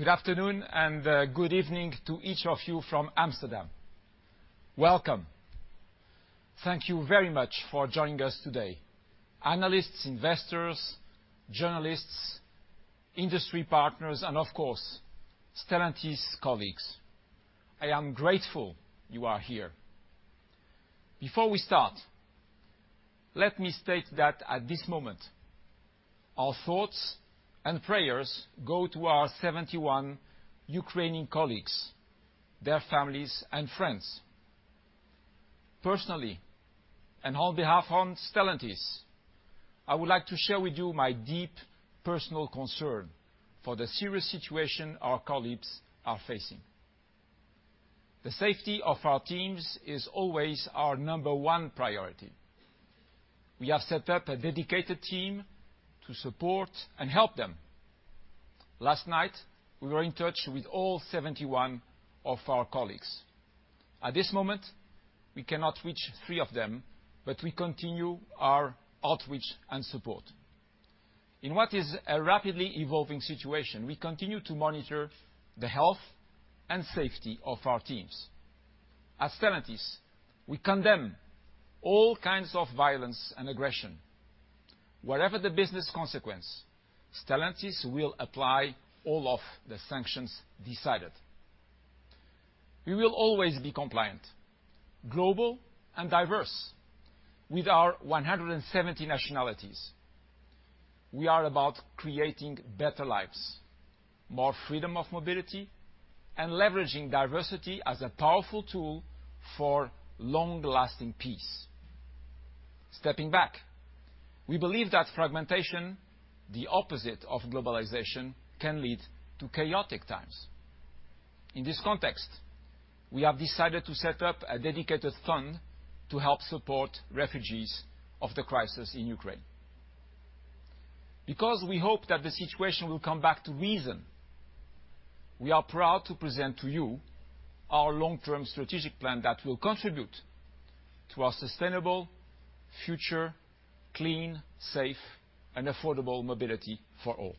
Good afternoon and good evening to each of you from Amsterdam. Welcome. Thank you very much for joining us today. Analysts, investors, journalists, industry partners, and of course, Stellantis colleagues, I am grateful you are here. Before we start, let me state that at this moment, our thoughts and prayers go to our 71 Ukrainian colleagues, their families and friends. Personally, and on behalf of Stellantis, I would like to share with you my deep personal concern for the serious situation our colleagues are facing. The safety of our teams is always our number one priority. We have set up a dedicated team to support and help them. Last night, we were in touch with all 71 of our colleagues. At this moment, we cannot reach three of them, but we continue our outreach and support. In what is a rapidly evolving situation, we continue to monitor the health and safety of our teams. At Stellantis, we condemn all kinds of violence and aggression. Whatever the business consequence, Stellantis will apply all of the sanctions decided. We will always be compliant, global, and diverse with our 170 nationalities. We are about creating better lives, more freedom of mobility, and leveraging diversity as a powerful tool for long-lasting peace. Stepping back, we believe that fragmentation, the opposite of globalization, can lead to chaotic times. In this context, we have decided to set up a dedicated fund to help support refugees of the crisis in Ukraine. Because we hope that the situation will come back to reason, we are proud to present to you our long-term strategic plan that will contribute to our sustainable future, clean, safe, and affordable mobility for all.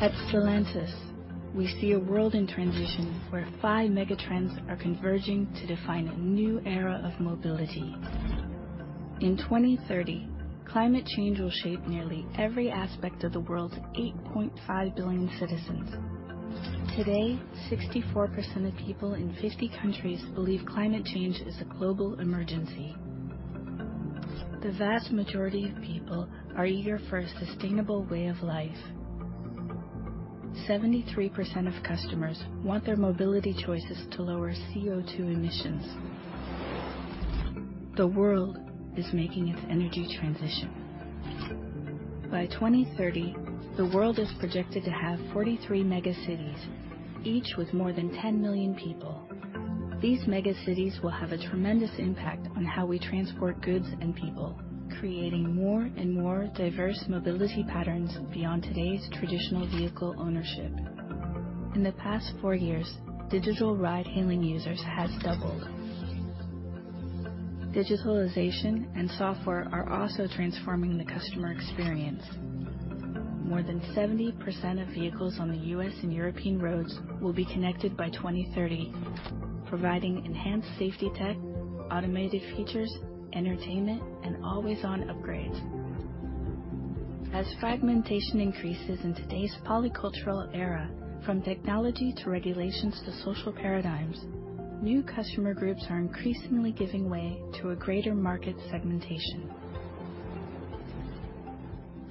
At Stellantis, we see a world in transition where five megatrends are converging to define a new era of mobility. In 2030, climate change will shape nearly every aspect of the world's 8.5 billion citizens. Today, 64% of people in 50 countries believe climate change is a global emergency. The vast majority of people are eager for a sustainable way of life. 73% of customers want their mobility choices to lower CO2 emissions. The world is making its energy transition. By 2030, the world is projected to have 43 megacities, each with more than 10 million people. These megacities will have a tremendous impact on how we transport goods and people, creating more and more diverse mobility patterns beyond today's traditional vehicle ownership. In the past four years, digital ride-hailing users has doubled. Digitalization and software are also transforming the customer experience. More than 70% of vehicles on the U.S. and European roads will be connected by 2030, providing enhanced safety tech, automated features, entertainment, and always-on upgrades. As fragmentation increases in today's polycultural era, from technology to regulations to social paradigms, new customer groups are increasingly giving way to a greater market segmentation.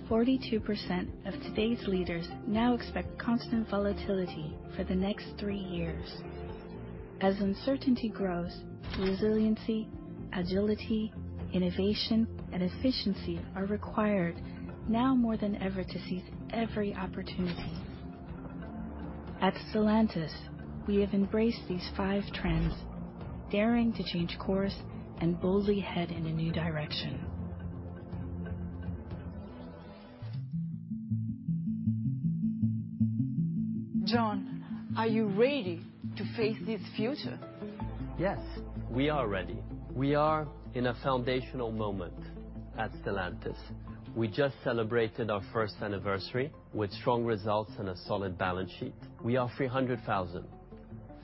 42% of today's leaders now expect constant volatility for the next three years. As uncertainty grows, resiliency, agility, innovation, and efficiency are required now more than ever to seize every opportunity. At Stellantis, we have embraced these five trends, daring to change course and boldly head in a new direction. John, are you ready to face this future? Yes, we are ready. We are in a foundational moment at Stellantis. We just celebrated our first anniversary with strong results and a solid balance sheet. We are 300,000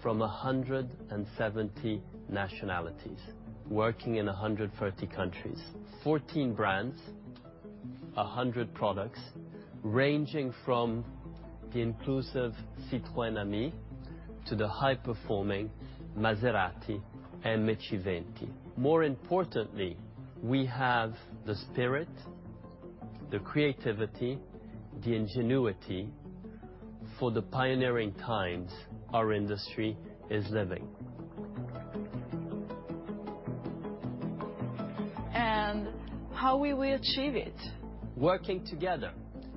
from 170 nationalities working in 130 countries. 14 brands, 100 products ranging from the inclusive Citroën Ami to the high-performing Maserati and MC20. More importantly, we have the spirit, the creativity, the ingenuity for the pioneering times our industry is living. How will we achieve it? Working together,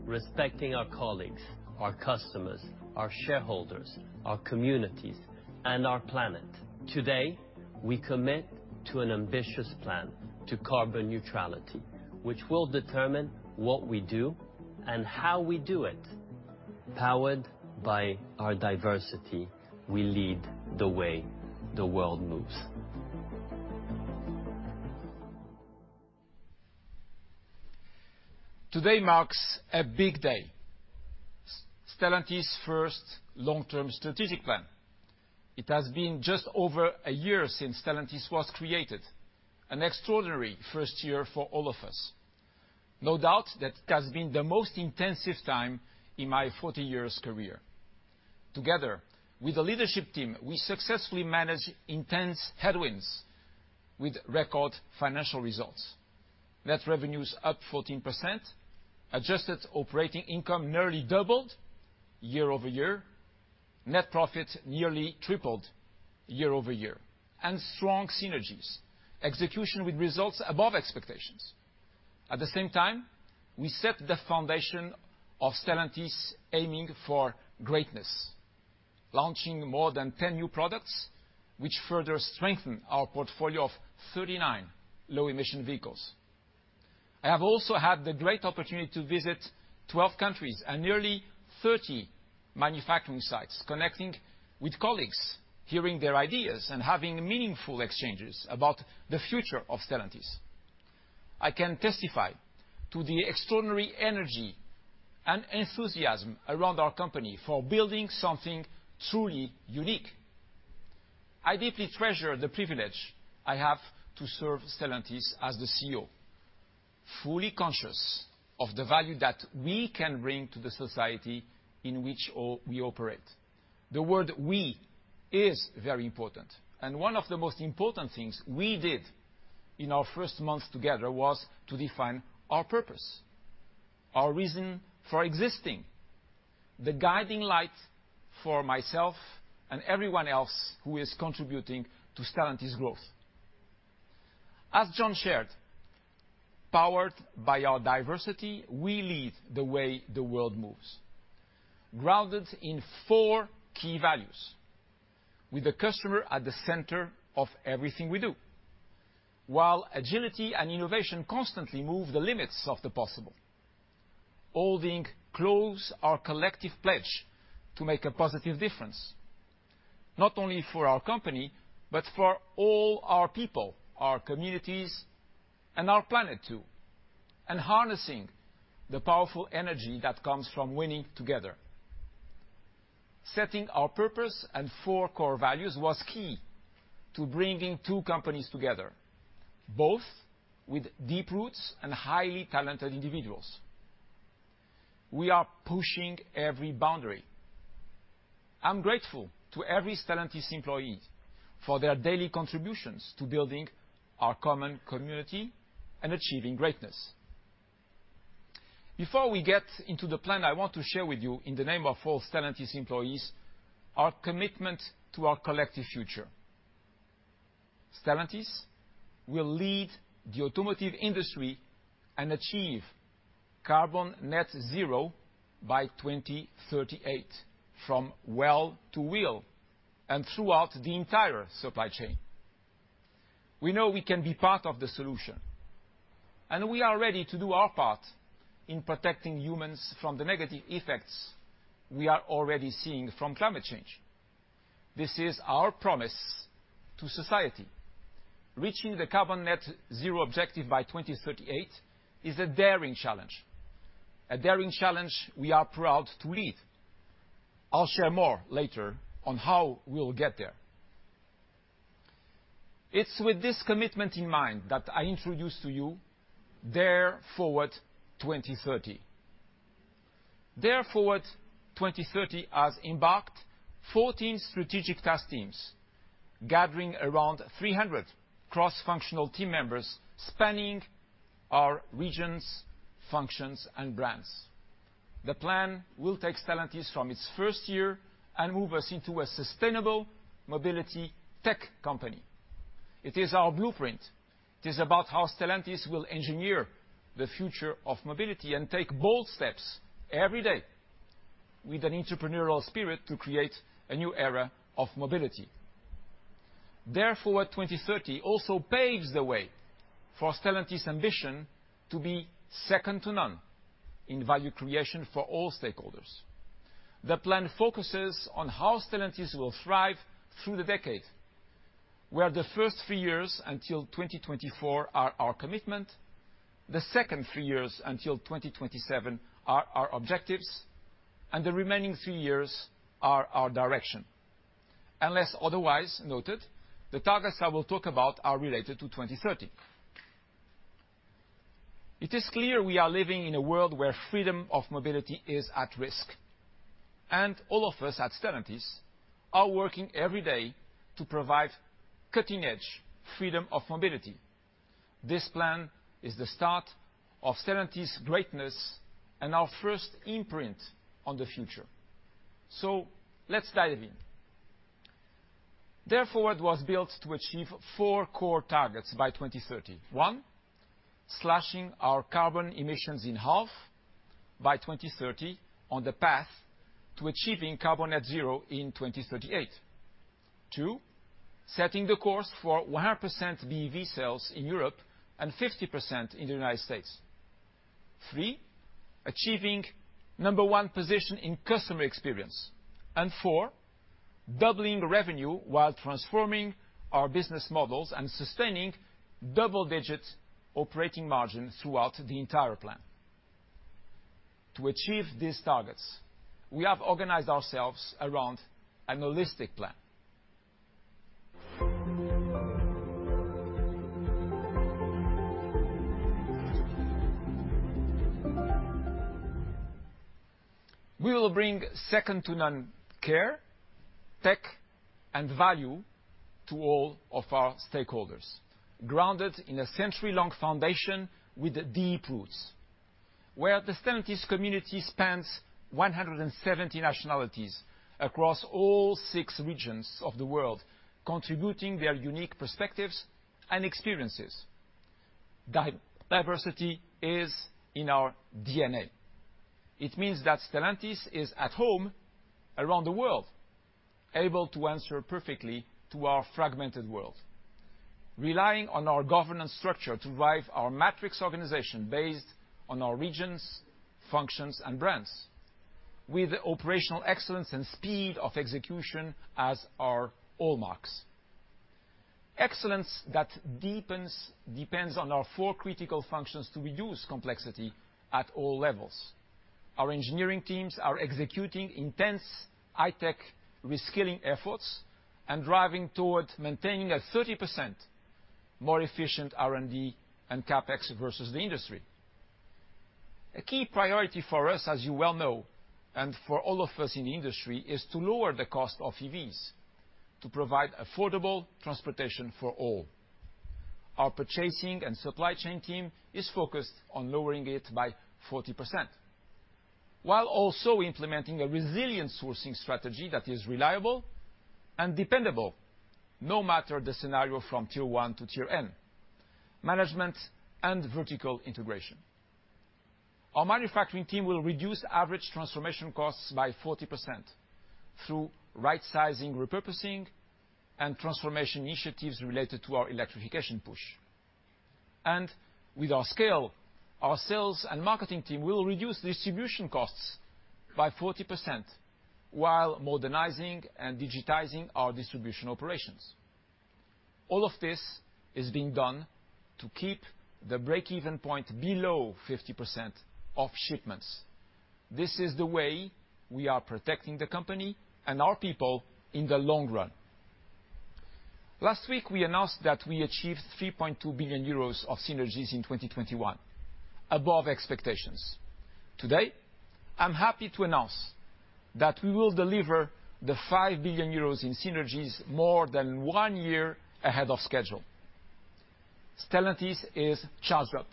respecting our colleagues, our customers, our shareholders, our communities, and our planet. Today, we commit to an ambitious plan to carbon neutrality, which will determine what we do and how we do it. Powered by our diversity, we lead the way the world moves. Today marks a big day, Stellantis' first long-term strategic plan. It has been just over a year since Stellantis was created. An extraordinary first year for all of us. No doubt that it has been the most intensive time in my 40-year-career. Together with the leadership team, we successfully managed intense headwinds with record financial results. Net revenues up 14%. Adjusted operating income nearly doubled year-over-year. Net profits nearly tripled year-over-year. Strong synergies. Execution with results above expectations. At the same time, we set the foundation of Stellantis aiming for greatness, launching more than 10 new products, which further strengthen our portfolio of 39 low-emission vehicles. I have also had the great opportunity to visit 12 countries and nearly 30 manufacturing sites, connecting with colleagues, hearing their ideas, and having meaningful exchanges about the future of Stellantis. I can testify to the extraordinary energy and enthusiasm around our company for building something truly unique. I deeply treasure the privilege I have to serve Stellantis as the CEO, fully conscious of the value that we can bring to the society in which we all operate. The word we is very important, and one of the most important things we did in our first months together was to define our purpose, our reason for existing, the guiding light for myself and everyone else who is contributing to Stellantis' growth. As John shared, powered by our diversity, we lead the way the world moves, grounded in four key values. With the customer at the center of everything we do, while agility and innovation constantly move the limits of the possible. Holding close our collective pledge to make a positive difference. Not only for our company, but for all our people, our communities, and our planet too. Harnessing the powerful energy that comes from winning together. Setting our purpose and four core values was key to bringing two companies together, both with deep roots and highly talented individuals. We are pushing every boundary. I'm grateful to every Stellantis employee for their daily contributions to building our common community and achieving greatness. Before we get into the plan, I want to share with you, in the name of all Stellantis employees, our commitment to our collective future. Stellantis will lead the automotive industry and achieve carbon net-zero by 2038 from well to wheel and throughout the entire supply chain. We know we can be part of the solution, and we are ready to do our part in protecting humans from the negative effects we are already seeing from climate change. This is our promise to society. Reaching the carbon net zero objective by 2038 is a daring challenge, a daring challenge we are proud to lead. I'll share more later on how we'll get there. It's with this commitment in mind that I introduce to you Dare Forward 2030. Dare Forward 2030 has embarked 14 strategic task teams gathering around 300 cross-functional team members spanning our regions, functions, and brands. The plan will take Stellantis from its first year and move us into a sustainable mobility tech company. It is our blueprint. It is about how Stellantis will engineer the future of mobility and take bold steps every day with an entrepreneurial spirit to create a new era of mobility. Dare Forward 2030 also paves the way for Stellantis' ambition to be second to none in value creation for all stakeholders. The plan focuses on how Stellantis will thrive through the decade, where the first three years until 2024 are our commitment, the second three years until 2027 are our objectives, and the remaining three years are our direction. Unless otherwise noted, the targets I will talk about are related to 2030. It is clear we are living in a world where freedom of mobility is at risk, and all of us at Stellantis are working every day to provide cutting-edge freedom of mobility. This plan is the start of Stellantis greatness and our first imprint on the future. Let's dive in. Dare Forward was built to achieve four core targets by 2030. One, slashing our carbon emissions in half by 2030 on the path to achieving carbon net zero in 2038. Two, setting the course for 100% BEV sales in Europe and 50% in the United States. Three, achieving number one position in customer experience. Four, doubling revenue while transforming our business models and sustaining double digits operating margin throughout the entire plan. To achieve these targets, we have organized ourselves around a holistic plan. We will bring second to none care, tech, and value to all of our stakeholders, grounded in a century-long foundation with deep roots. Where the Stellantis community spans 170 nationalities across all six regions of the world, contributing their unique perspectives and experiences. Diversity is in our DNA. It means that Stellantis is at home around the world, able to answer perfectly to our fragmented world. Relying on our governance structure to drive our matrix organization based on our regions, functions and brands with operational excellence and speed of execution as our hallmarks. Excellence that deepens depends on our four critical functions to reduce complexity at all levels. Our engineering teams are executing intense high-tech reskilling efforts and driving towards maintaining a 30% more efficient R&D and CapEx versus the industry. A key priority for us, as you well know, and for all of us in the industry, is to lower the cost of EVs, to provide affordable transportation for all. Our purchasing and supply chain team is focused on lowering it by 40% while also implementing a resilient sourcing strategy that is reliable and dependable no matter the scenario from tier 1 to tier N, management and vertical integration. Our manufacturing team will reduce average transformation costs by 40% through right sizing, repurposing, and transformation initiatives related to our electrification push. With our scale, our sales and marketing team will reduce distribution costs by 40% while modernizing and digitizing our distribution operations. All of this is being done to keep the break-even point below 50% of shipments. This is the way we are protecting the company and our people in the long run. Last week, we announced that we achieved 3.2 billion euros of synergies in 2021, above expectations. Today, I'm happy to announce that we will deliver 5 billion euros in synergies more than one year ahead of schedule. Stellantis is charged up.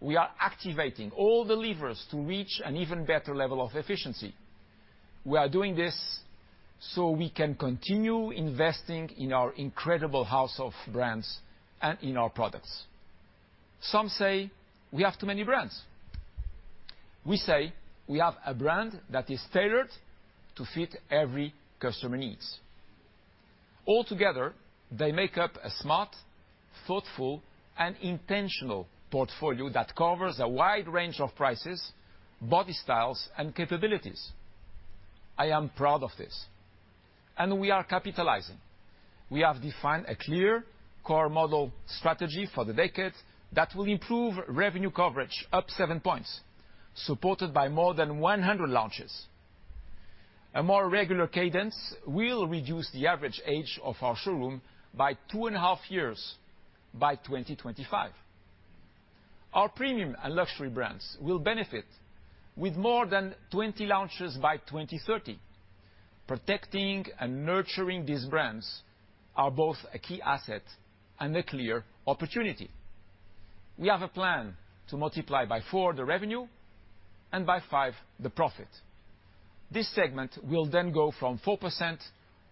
We are activating all the levers to reach an even better level of efficiency. We are doing this so we can continue investing in our incredible house of brands and in our products. Some say we have too many brands. We say we have a brand that is tailored to fit every customer needs. All together, they make up a smart, thoughtful, and intentional portfolio that covers a wide range of prices, body styles, and capabilities. I am proud of this, and we are capitalizing. We have defined a clear core model strategy for the decade that will improve revenue coverage up seven points, supported by more than 100 launches. A more regular cadence will reduce the average age of our showroom by 2.5 years by 2025. Our premium and luxury brands will benefit with more than 20 launches by 2030. Protecting and nurturing these brands are both a key asset and a clear opportunity. We have a plan to multiply by 4x the revenue and by 5x the profit. This segment will then go from 4%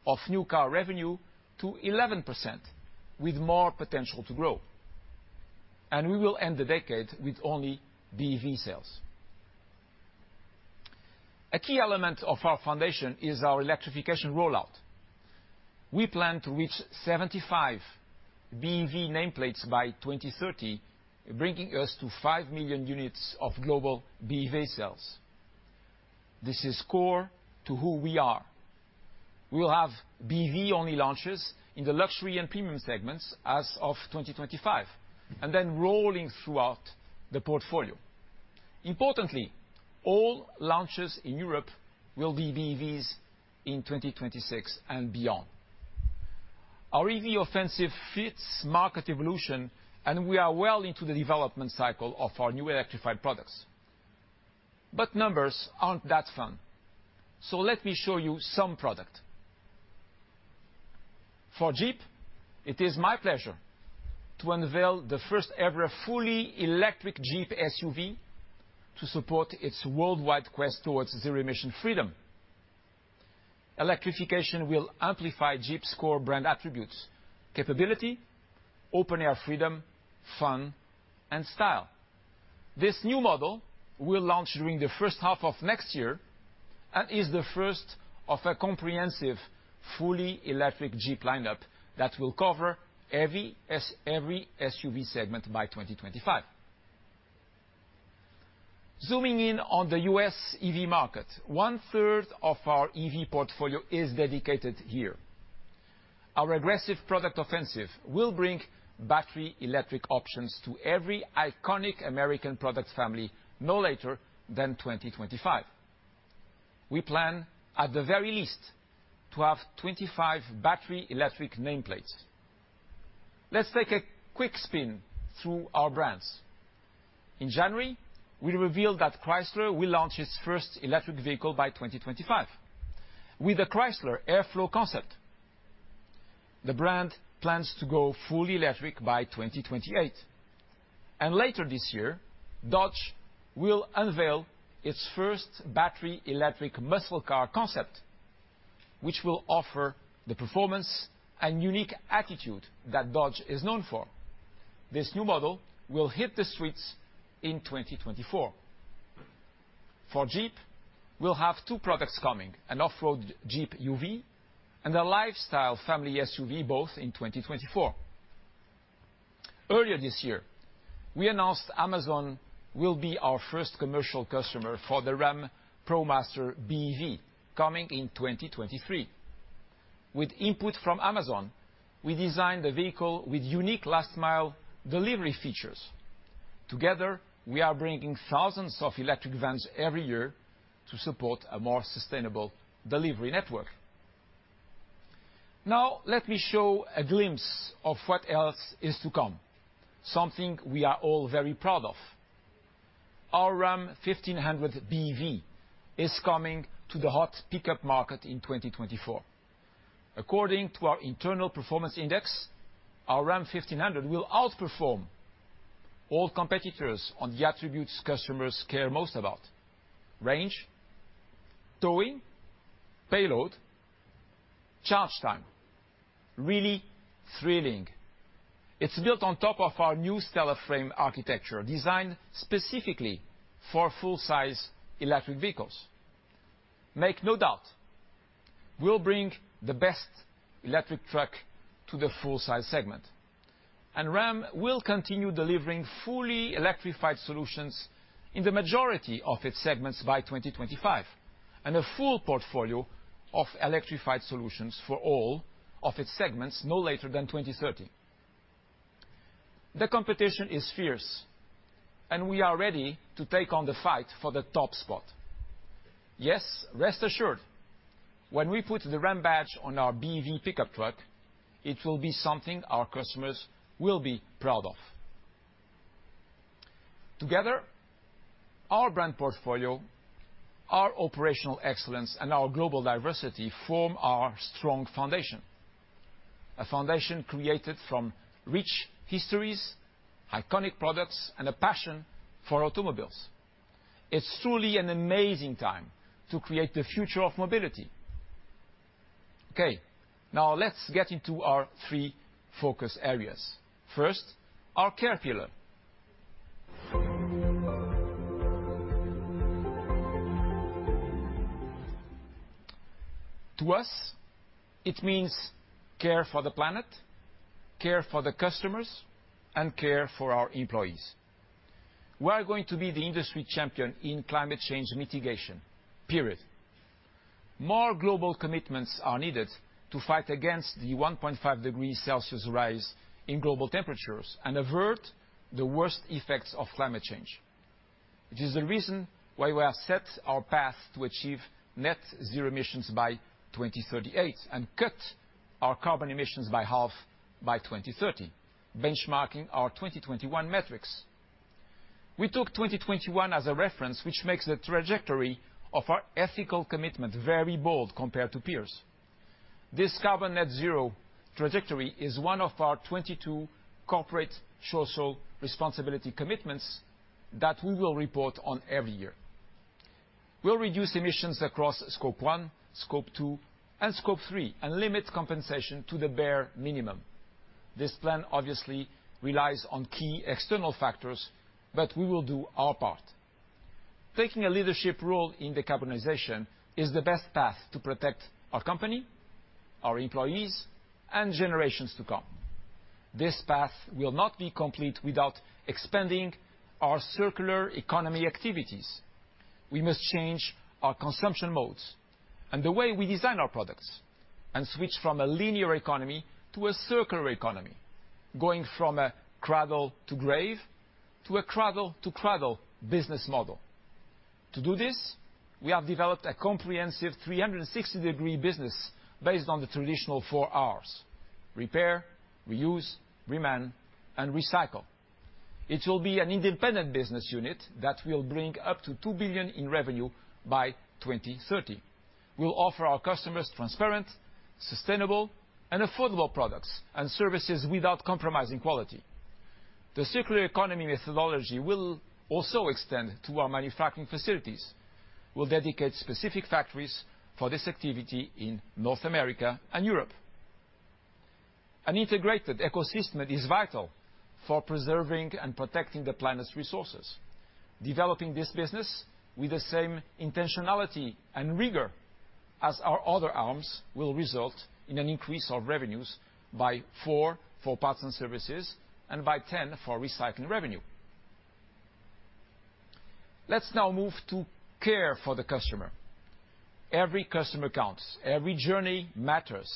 of new car revenue to 11%, with more potential to grow. We will end the decade with only BEV sales. A key element of our foundation is our electrification rollout. We plan to reach 75 BEV nameplates by 2030, bringing us to 5 million units of global BEV sales. This is core to who we are. We will have BEV-only launches in the luxury and premium segments as of 2025, and then rolling throughout the portfolio. Importantly, all launches in Europe will be BEVs in 2026 and beyond. Our EV offensive fits market evolution, and we are well into the development cycle of our new electrified products. Numbers aren't that fun. Let me show you some product. For Jeep, it is my pleasure to unveil the first-ever fully electric Jeep SUV to support its worldwide quest towards Zero-Emission Freedom. Electrification will amplify Jeep's core brand attributes, capability, open-air freedom, fun, and style. This new model will launch during the first half of next year and is the first of a comprehensive, fully-electric Jeep lineup that will cover every SUV segment by 2025. Zooming in on the US EV market, 1/3 of our EV portfolio is dedicated here. Our aggressive product offensive will bring battery electric options to every iconic American product family no later than 2025. We plan, at the very least, to have 25 battery electric nameplates. Let's take a quick spin through our brands. In January, we revealed that Chrysler will launch its first electric vehicle by 2025 with the Chrysler Airflow Concept. The brand plans to go fully electric by 2028. Later this year, Dodge will unveil its first battery electric muscle car concept, which will offer the performance and unique attitude that Dodge is known for. This new model will hit the streets in 2024. For Jeep, we'll have two products coming, an off-road Jeep UV and a lifestyle family SUV, both in 2024. Earlier this year, we announced Amazon will be our first commercial customer for the Ram ProMaster BEV, coming in 2023. With input from Amazon, we designed the vehicle with unique last mile delivery features. Together, we are bringing thousands of electric vans every year to support a more sustainable delivery network. Now, let me show a glimpse of what else is to come, something we are all very proud of. Our Ram 1500 BEV is coming to the hot pickup market in 2024. According to our internal performance index, our Ram 1500 will outperform all competitors on the attributes customers care most about, range, towing, payload, charge time. Really thrilling. It's built on top of our new STLA Frame architecture, designed specifically for full-size electric vehicles. Make no doubt, we'll bring the best electric truck to the full-size segment. Ram will continue delivering fully electrified solutions in the majority of its segments by 2025, and a full portfolio of electrified solutions for all of its segments no later than 2030. The competition is fierce, and we are ready to take on the fight for the top spot. Yes, rest assured, when we put the Ram badge on our BEV pickup truck, it will be something our customers will be proud of. Together, our brand portfolio, our operational excellence, and our global diversity form our strong foundation, a foundation created from rich histories, iconic products, and a passion for automobiles. It's truly an amazing time to create the future of mobility. Okay, now let's get into our three focus areas. First, our Care pillar. To us, it means care for the planet, care for the customers, and care for our employees. We are going to be the industry champion in climate change mitigation. Period. More global commitments are needed to fight against the 1.5 degrees Celsius rise in global temperatures and avert the worst effects of climate change. It is the reason why we have set our path to achieve net zero emissions by 2038 and cut our carbon emissions by half by 2030, benchmarking our 2021 metrics. We took 2021 as a reference, which makes the trajectory of our ethical commitment very bold compared to peers. This carbon net zero trajectory is one of our 22 corporate social responsibility commitments that we will report on every year. We'll reduce emissions across Scope 1, Scope 2, and Scope 3, and limit compensation to the bare minimum. This plan obviously relies on key external factors, but we will do our part. Taking a leadership role in decarbonization is the best path to protect our company, our employees, and generations to come. This path will not be complete without expanding our Circular Economy activities. We must change our consumption modes and the way we design our products and switch from a linear economy to a Circular Economy, going from a cradle-to-grave to a cradle-to-cradle business model. To do this, we have developed a comprehensive 360-degree business based on the traditional 4Rs: Repair, Reuse, Reman, and Recycle. It will be an independent business unit that will bring up to 2 billion in revenue by 2030. We'll offer our customers transparent, sustainable, and affordable products and services without compromising quality. The Circular Economy methodology will also extend to our manufacturing facilities. We'll dedicate specific factories for this activity in North America and Europe. An integrated ecosystem is vital for preserving and protecting the planet's resources. Developing this business with the same intentionality and rigor as our other arms will result in an increase of revenues by four for parts and services and by 10 for recycling revenue. Let's now move to Care for the customer. Every customer counts. Every journey matters.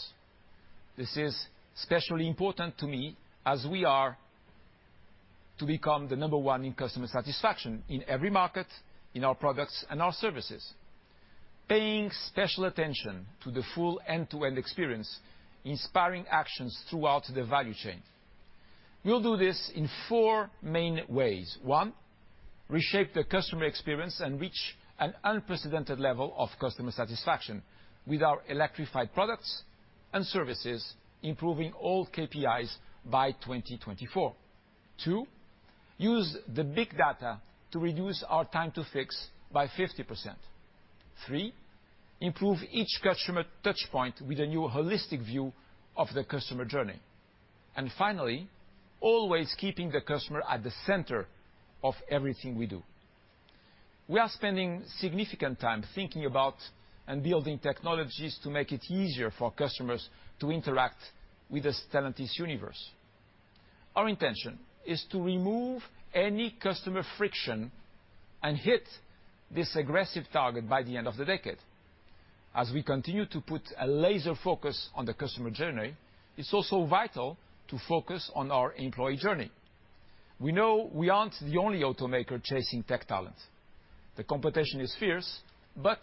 This is especially important to me as we are to become the number one in customer satisfaction in every market, in our products and our services, paying special attention to the full end-to-end experience, inspiring actions throughout the value chain. We'll do this in four main ways. One, reshape the customer experience and reach an unprecedented level of customer satisfaction with our electrified products and services, improving all KPIs by 2024. Two, use the big data to reduce our time to fix by 50%. Three, improve each customer touch point with a new holistic view of the customer journey. Finally, always keeping the customer at the center of everything we do. We are spending significant time thinking about and building technologies to make it easier for customers to interact with the Stellantis universe. Our intention is to remove any customer friction and hit this aggressive target by the end of the decade. As we continue to put a laser focus on the customer journey, it's also vital to focus on our employee journey. We know we aren't the only automaker chasing tech talent. The competition is fierce, but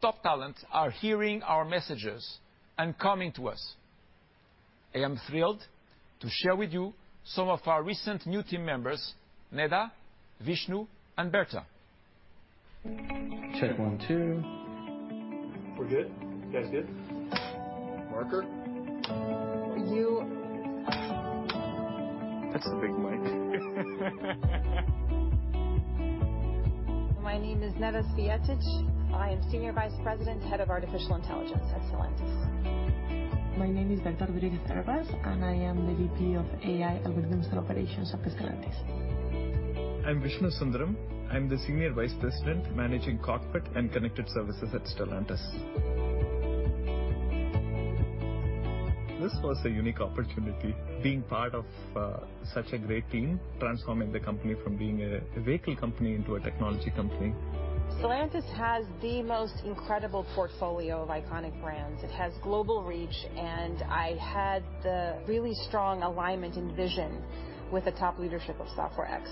top talent are hearing our messages and coming to us. I am thrilled to share with you some of our recent new team members, Neda, Vishnu, and Berta. Check one, two. We're good? You guys good? Marker. You. That's the big mic. My name is Neda Cvijetic. I am Senior Vice President, Head of Artificial Intelligence at Stellantis. My name is Berta Rodriguez-Hervas, and I am the VP of AI Algorithms and Operations at Stellantis. I'm Vishnu Sundaram. I'm the Senior Vice President Managing Cockpit and Connected Services at Stellantis. This was a unique opportunity being part of such a great team, transforming the company from being a vehicle company into a technology company. Stellantis has the most incredible portfolio of iconic brands. It has global reach, and I had the really strong alignment and vision with the top leadership of Software X.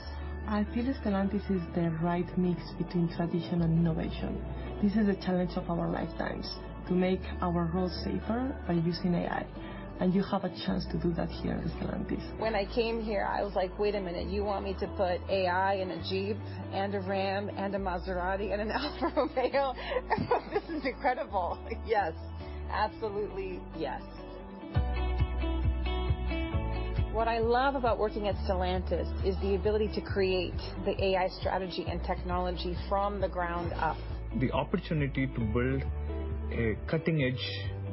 I feel Stellantis is the right mix between tradition and innovation. This is a challenge of our lifetimes to make our roads safer by using AI, and you have a chance to do that here at Stellantis. When I came here, I was like, "Wait a minute, you want me to put AI in a Jeep and a Ram and a Maserati and an Alfa Romeo? This is incredible. Yes. Absolutely, yes." What I love about working at Stellantis is the ability to create the AI strategy and technology from the ground up. The opportunity to build a cutting-edge,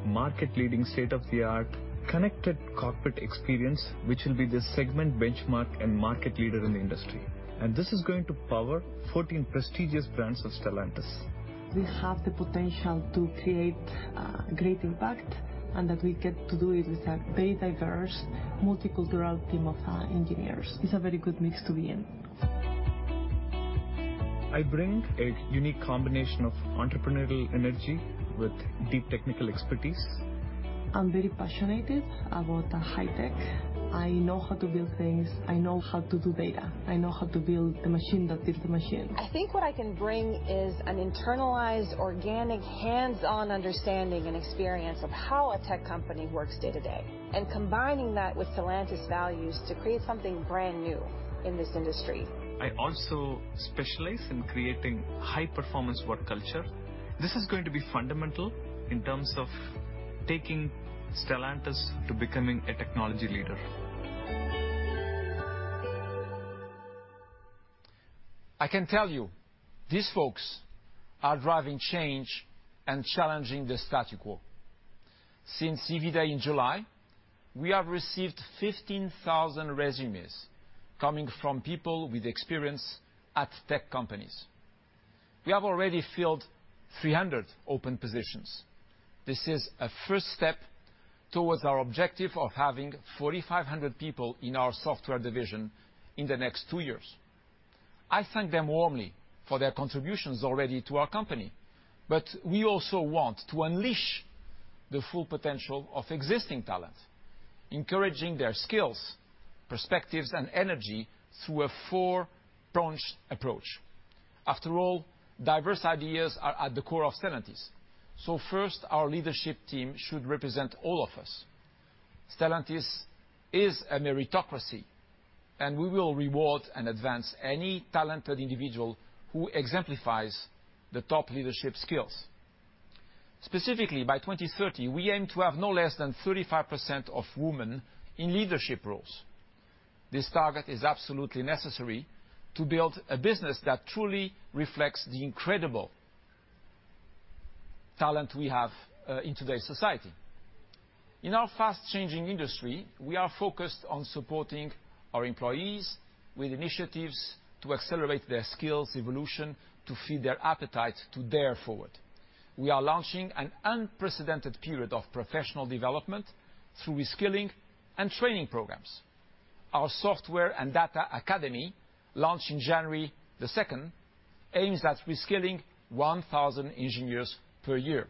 market leading state-of-the-art connected cockpit experience, which will be the segment benchmark and market leader in the industry. This is going to power 14 prestigious brands of Stellantis. We have the potential to create great impact, and that we get to do it with a very diverse multicultural team of engineers. It's a very good mix to be in. I bring a unique combination of entrepreneurial energy with deep technical expertise. I'm very passionate about the high tech. I know how to build things. I know how to do data. I know how to build a machine that builds the machine. I think what I can bring is an internalized, organic, hands-on understanding and experience of how a tech company works day to day, and combining that with Stellantis values to create something brand new in this industry. I also specialize in creating high performance work culture. This is going to be fundamental in terms of taking Stellantis to becoming a technology leader. I can tell you, these folks are driving change and challenging the status quo. Since EV Day in July, we have received 15,000 resumes coming from people with experience at tech companies. We have already filled 300 open positions. This is a first step towards our objective of having 4,500 people in our software division in the next two years. I thank them warmly for their contributions already to our company. We also want to unleash the full potential of existing talent, encouraging their skills, perspectives, and energy through a four-pronged approach. After all, diverse ideas are at the core of Stellantis. First, our leadership team should represent all of us. Stellantis is a meritocracy, and we will reward and advance any talented individual who exemplifies the top leadership skills. Specifically, by 2030, we aim to have no less than 35% of women in leadership roles. This target is absolutely necessary to build a business that truly reflects the incredible talent we have in today's society. In our fast-changing industry, we are focused on supporting our employees with initiatives to accelerate their skills evolution to feed their appetite to Dare Forward. We are launching an unprecedented period of professional development through reskilling and training programs. Our Software and Data Academy, launched in January 2nd, aims at reskilling 1,000 engineers per year.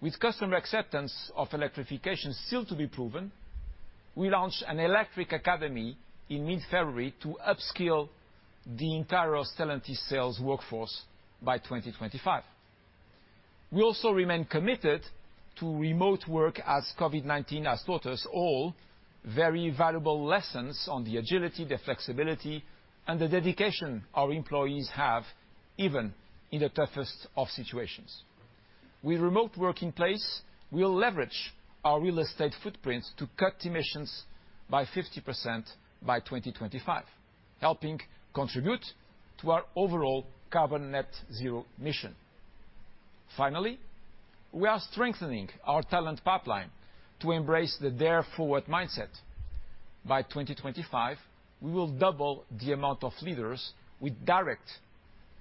With customer acceptance of electrification still to be proven, we launched an Electric Academy in mid-February to upskill the entire Stellantis sales workforce by 2025. We also remain committed to remote work as COVID-19 has taught us all very valuable lessons on the agility, the flexibility, and the dedication our employees have even in the toughest of situations. With remote work in place, we'll leverage our real estate footprints to cut emissions by 50% by 2025, helping contribute to our overall carbon net zero mission. Finally, we are strengthening our talent pipeline to embrace the Dare Forward mindset. By 2025, we will double the amount of leaders with direct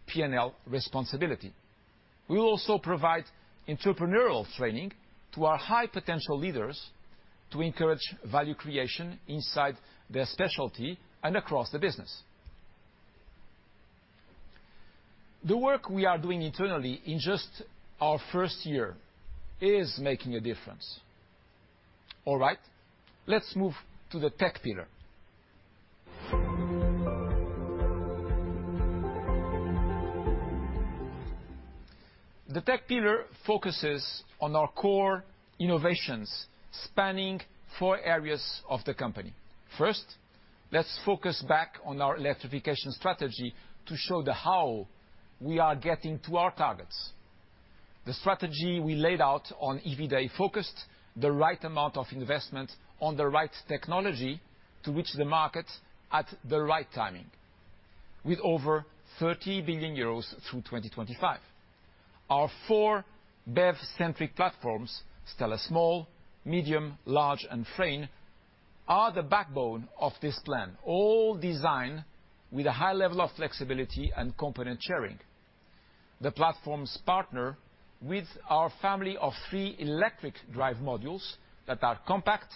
P&L responsibility. We will also provide entrepreneurial training to our high potential leaders to encourage value creation inside their specialty and across the business. The work we are doing internally in just our first year is making a difference. All right, let's move to the tech pillar. The tech pillar focuses on our core innovations spanning four areas of the company. First, let's focus back on our electrification strategy to show how we are getting to our targets. The strategy we laid out on EV Day focused the right amount of investment on the right technology to reach the market at the right timing, with over 30 billion euros through 2025. Our four BEV-centric platforms, STLA Small, Medium, Large, and Frame, are the backbone of this plan, all designed with a high level of flexibility and component sharing. The platforms partner with our family of three electric drive modules that are compact,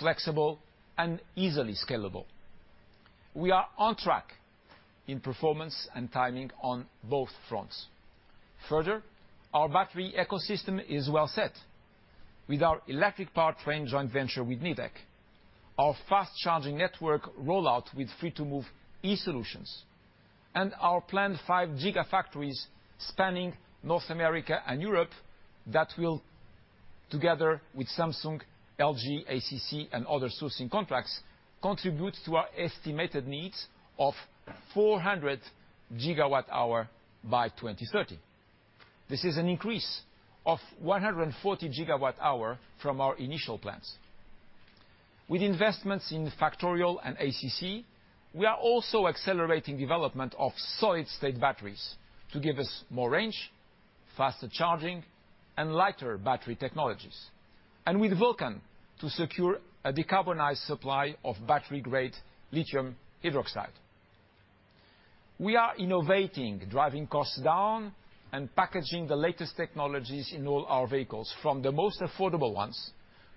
flexible, and easily scalable. We are on track in performance and timing on both fronts. Further, our battery ecosystem is well set with our electric powertrain joint venture with Nidec. Our fast charging network rollout with Free2move e-Solutions. Our planned five gigafactories spanning North America and Europe that will, together with Samsung, LG, ACC, and other sourcing contracts, contribute to our estimated needs of 400 GWh by 2030. This is an increase of 140 GWh from our initial plans. With investments in Factorial and ACC, we are also accelerating development of solid-state batteries to give us more range, faster charging, and lighter battery technologies. With Vulcan, to secure a decarbonized supply of battery-grade lithium hydroxide. We are innovating, driving costs down, and packaging the latest technologies in all our vehicles, from the most affordable ones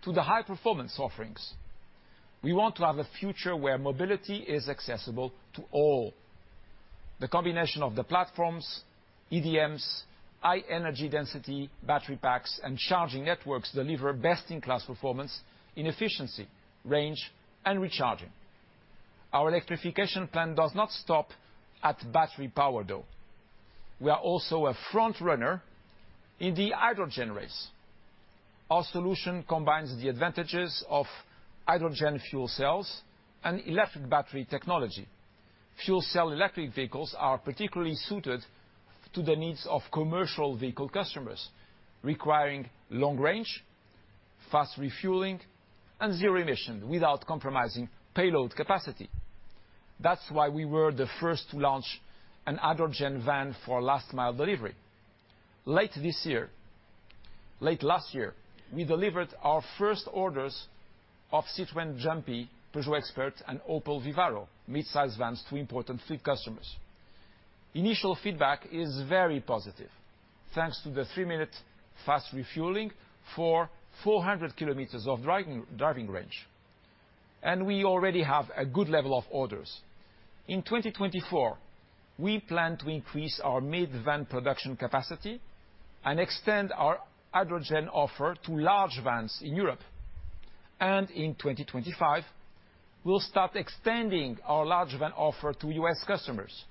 to the high-performance offerings. We want to have a future where mobility is accessible to all. The combination of the platforms, EDMs, high-energy density battery packs, and charging networks deliver best-in-class performance in efficiency, range, and recharging. Our electrification plan does not stop at battery power, though. We are also a frontrunner in the hydrogen race. Our solution combines the advantages of hydrogen fuel cells and electric battery technology. Fuel cell electric vehicles are particularly suited to the needs of commercial vehicle customers, requiring long range, fast refueling, and zero emission without compromising payload capacity. That's why we were the first to launch a hydrogen van for last-mile delivery. Late last year, we delivered our first orders of Citroën Jumpy, Peugeot Expert, and Opel Vivaro midsize vans to important fleet customers. Initial feedback is very positive thanks to the three-minute fast refueling for 400 km of driving range. We already have a good level of orders. In 2024, we plan to increase our mid van production capacity and extend our hydrogen offer to large vans in Europe. In 2025, we'll start extending our large van offer to U.S. customers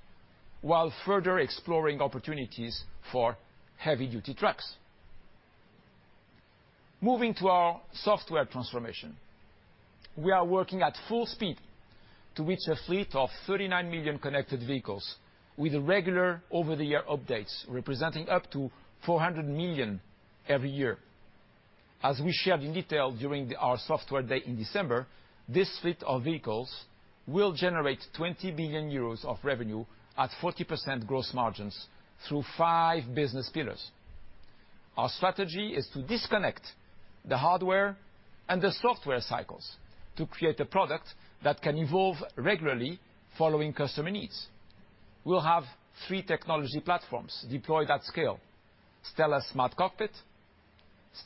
while further exploring opportunities for heavy-duty trucks. Moving to our software transformation. We are working at full speed to reach a fleet of 39 million connected vehicles with regular over-the-air updates, representing up to 400 million every year. As we shared in detail during our software day in December, this fleet of vehicles will generate 20 billion euros of revenue at 40% gross margins through five business pillars. Our strategy is to disconnect the hardware and the software cycles to create a product that can evolve regularly following customer needs. We'll have three technology platforms deployed at scale. STLA SmartCockpit,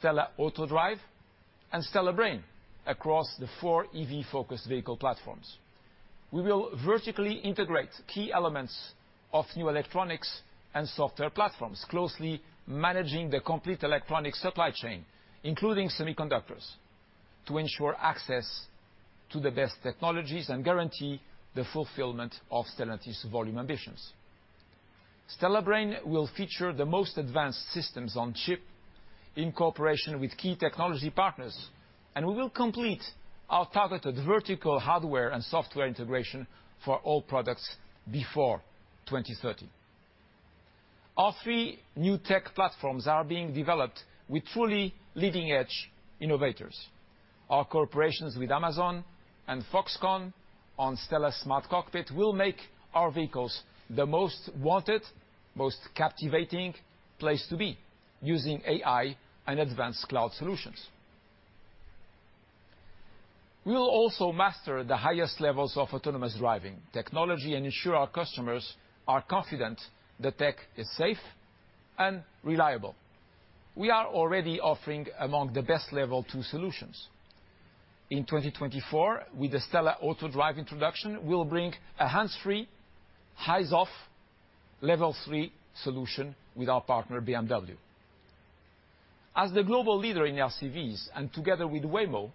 STLA AutoDrive, and STLA Brain across the four EV-focused vehicle platforms. We will vertically integrate key elements of new electronics and software platforms, closely managing the complete electronic supply chain, including semiconductors, to ensure access to the best technologies and guarantee the fulfillment of Stellantis volume ambitions. STLA Brain will feature the most advanced systems-on-chip in cooperation with key technology partners, and we will complete our targeted vertical hardware and software integration for all products before 2030. Our three new tech platforms are being developed with truly leading-edge innovators. Our collaborations with Amazon and Foxconn on STLA SmartCockpit will make our vehicles the most wanted, most captivating place to be using AI and advanced cloud solutions. We will also master the highest levels of autonomous driving technology and ensure our customers are confident the tech is safe and reliable. We are already offering among the best Level 2 solutions. In 2024, with the STLA AutoDrive introduction, we'll bring a hands-free, eyes-off Level 3 solution with our partner BMW. As the global leader in LCVs and together with Waymo,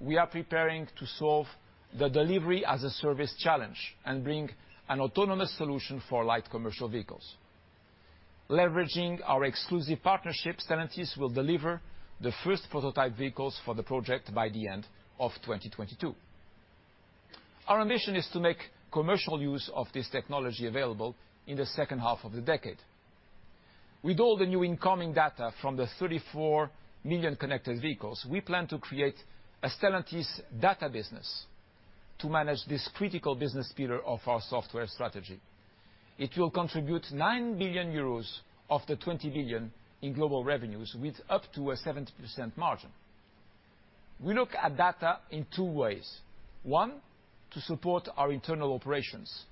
we are preparing to solve the delivery-as-a-service challenge and bring an autonomous solution for light commercial vehicles. Leveraging our exclusive partnership, Stellantis will deliver the first prototype vehicles for the project by the end of 2022. Our ambition is to make commercial use of this technology available in the second half of the decade. With all the new incoming data from the 34 million connected vehicles, we plan to create a Stellantis data business to manage this critical business pillar of our software strategy. It will contribute 9 billion euros of the 20 billion in global revenues with up to a 70% margin. We look at data in two ways. One, to support our internal operations,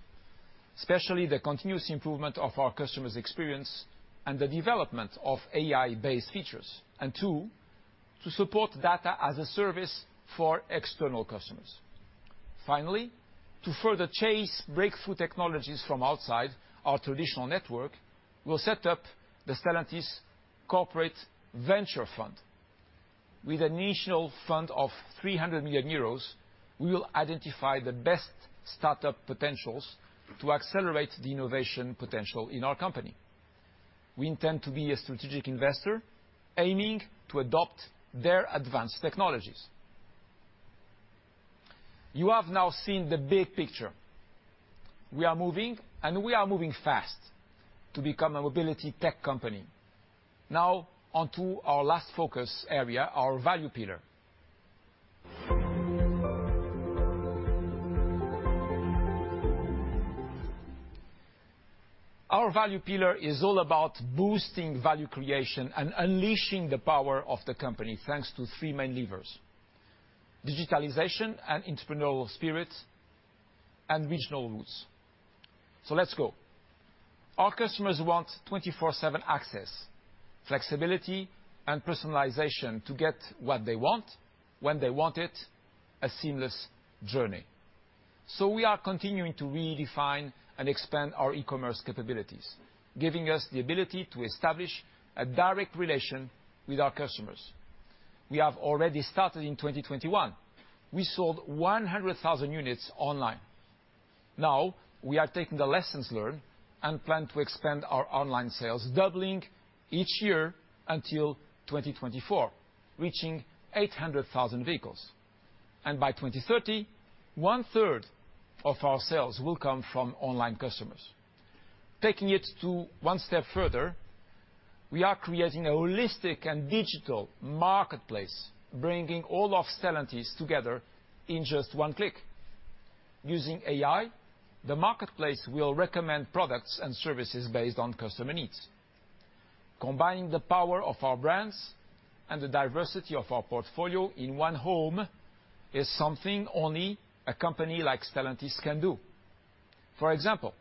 especially the continuous improvement of our customers' experience and the development of AI-based features. Two, to support data as a service for external customers. Finally, to further chase breakthrough technologies from outside our traditional network, we'll set up the Stellantis Ventures. With an initial fund of 300 million euros, we will identify the best startup potentials to accelerate the innovation potential in our company. We intend to be a strategic investor aiming to adopt their advanced technologies. You have now seen the big picture. We are moving, and we are moving fast to become a mobility tech company. Now on to our last focus area, our value pillar. Our value pillar is all about boosting value creation and unleashing the power of the company, thanks to three main levers. Digitalization and entrepreneurial spirits and regional roots. Let's go. Our customers want 24/7 access, flexibility and personalization to get what they want when they want it, a seamless journey. We are continuing to redefine and expand our e-commerce capabilities, giving us the ability to establish a direct relation with our customers. We have already started in 2021. We sold 100,000 units online. Now we are taking the lessons learned and plan to expand our online sales, doubling each year until 2024, reaching 800,000 vehicles. By 2030, 1/3 of our sales will come from online customers. Taking it to one step further, we are creating a holistic and digital marketplace, bringing all of Stellantis together in just one click. Using AI, the marketplace will recommend products and services based on customer needs. Combining the power of our brands and the diversity of our portfolio in one home is something only a company like Stellantis can do. For example,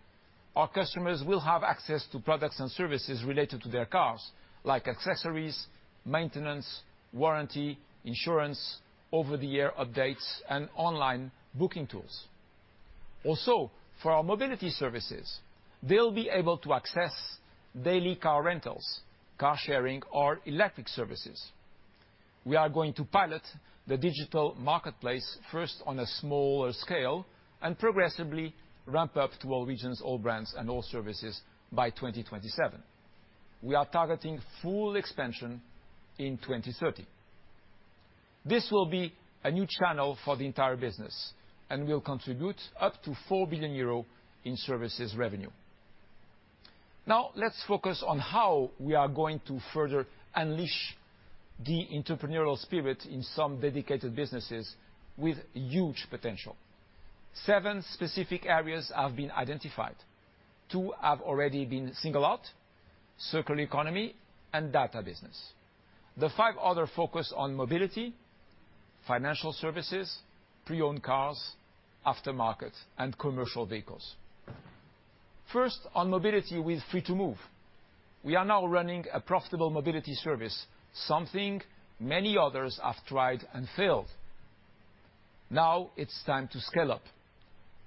our customers will have access to products and services related to their cars, like accessories, maintenance, warranty, insurance, over-the-air updates and online booking tools. Also, for our mobility services, they'll be able to access daily car rentals, car sharing or electric services. We are going to pilot the digital marketplace first on a smaller scale and progressively ramp up to all regions, all brands and all services by 2027. We are targeting full expansion in 2030. This will be a new channel for the entire business and will contribute up to 4 billion euro in services revenue. Now let's focus on how we are going to further unleash the entrepreneurial spirit in some dedicated businesses with huge potential. Seven specific areas have been identified. Two have already been singled out, Circular Economy and data business. The five others focus on mobility, financial services, pre-owned cars, aftermarket, and commercial vehicles. First, on mobility with Free2move. We are now running a profitable mobility service, something many others have tried and failed. Now it's time to scale up.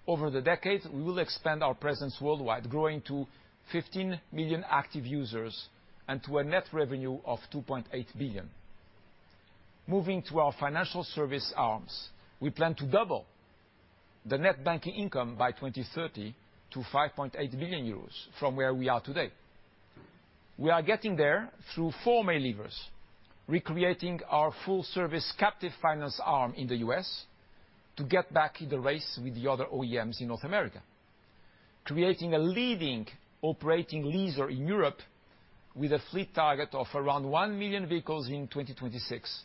Over the decade, we will expand our presence worldwide, growing to 15 million active users and to a net revenue of 2.8 billion. Moving to our financial service arms, we plan to double the net banking income by 2030 to 5.8 billion euros from where we are today. We are getting there through four main levers, recreating our full service captive finance arm in the U.S. to get back in the race with the other OEMs in North America. Creating a leading operating lessor in Europe with a fleet target of around 1 million vehicles in 2026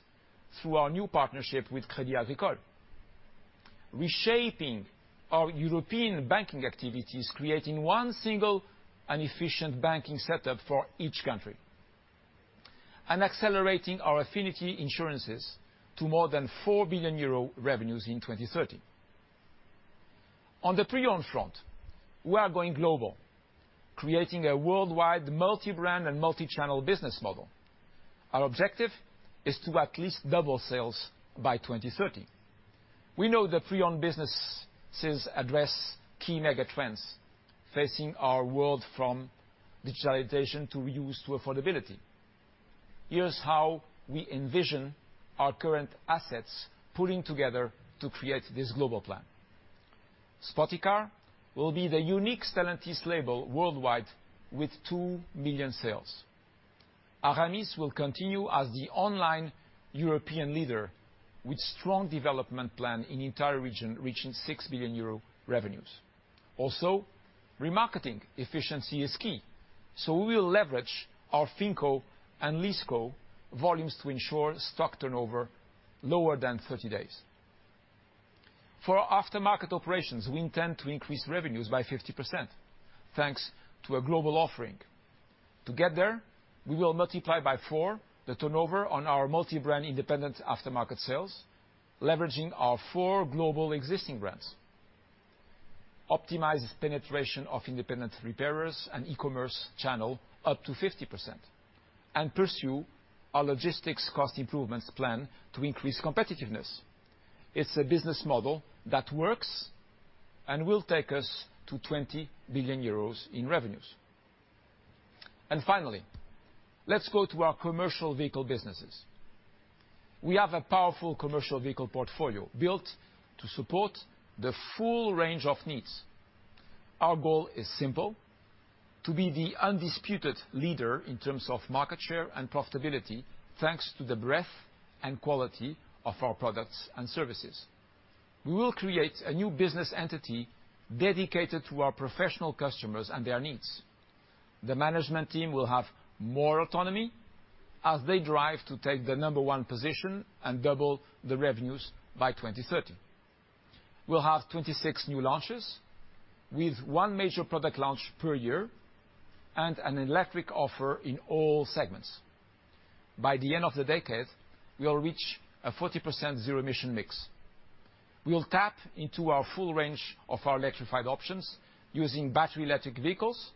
through our new partnership with Crédit Agricole. Reshaping our European banking activities, creating one single and efficient banking setup for each country. Accelerating our affinity insurances to more than 4 billion euro revenues in 2030. On the pre-owned front, we are going global, creating a worldwide multi-brand and multichannel business model. Our objective is to at least double sales by 2030. We know the pre-owned businesses address key mega trends facing our world from digitalization to reuse to affordability. Here's how we envision our current assets pulling together to create this global plan. SPOTiCAR will be the unique Stellantis label worldwide with 2 million sales. Aramis will continue as the online European leader with strong development plan in entire region, reaching 6 billion euro revenues. Remarketing efficiency is key, so we will leverage our FinCo and LeaseCo volumes to ensure stock turnover lower than 30 days. For our aftermarket operations, we intend to increase revenues by 50%, thanks to a global offering. To get there, we will multiply by 4x the turnover on our multi-brand independent aftermarket sales, leveraging our four global existing brands. Optimize penetration of independent repairers and e-commerce channel up to 50%, and pursue our logistics cost improvements plan to increase competitiveness. It's a business model that works and will take us to 20 billion euros in revenues. Finally, let's go to our commercial vehicle businesses. We have a powerful commercial vehicle portfolio built to support the full range of needs. Our goal is simple, to be the undisputed leader in terms of market share and profitability thanks to the breadth and quality of our products and services. We will create a new business entity dedicated to our professional customers and their needs. The management team will have more autonomy as they drive to take the number one position and double the revenues by 2030. We'll have 26 new launches with one major product launch per year and an electric offer in all segments. By the end of the decade, we will reach a 40% zero-emission mix. We will tap into our full range of our electrified options using battery electric vehicles,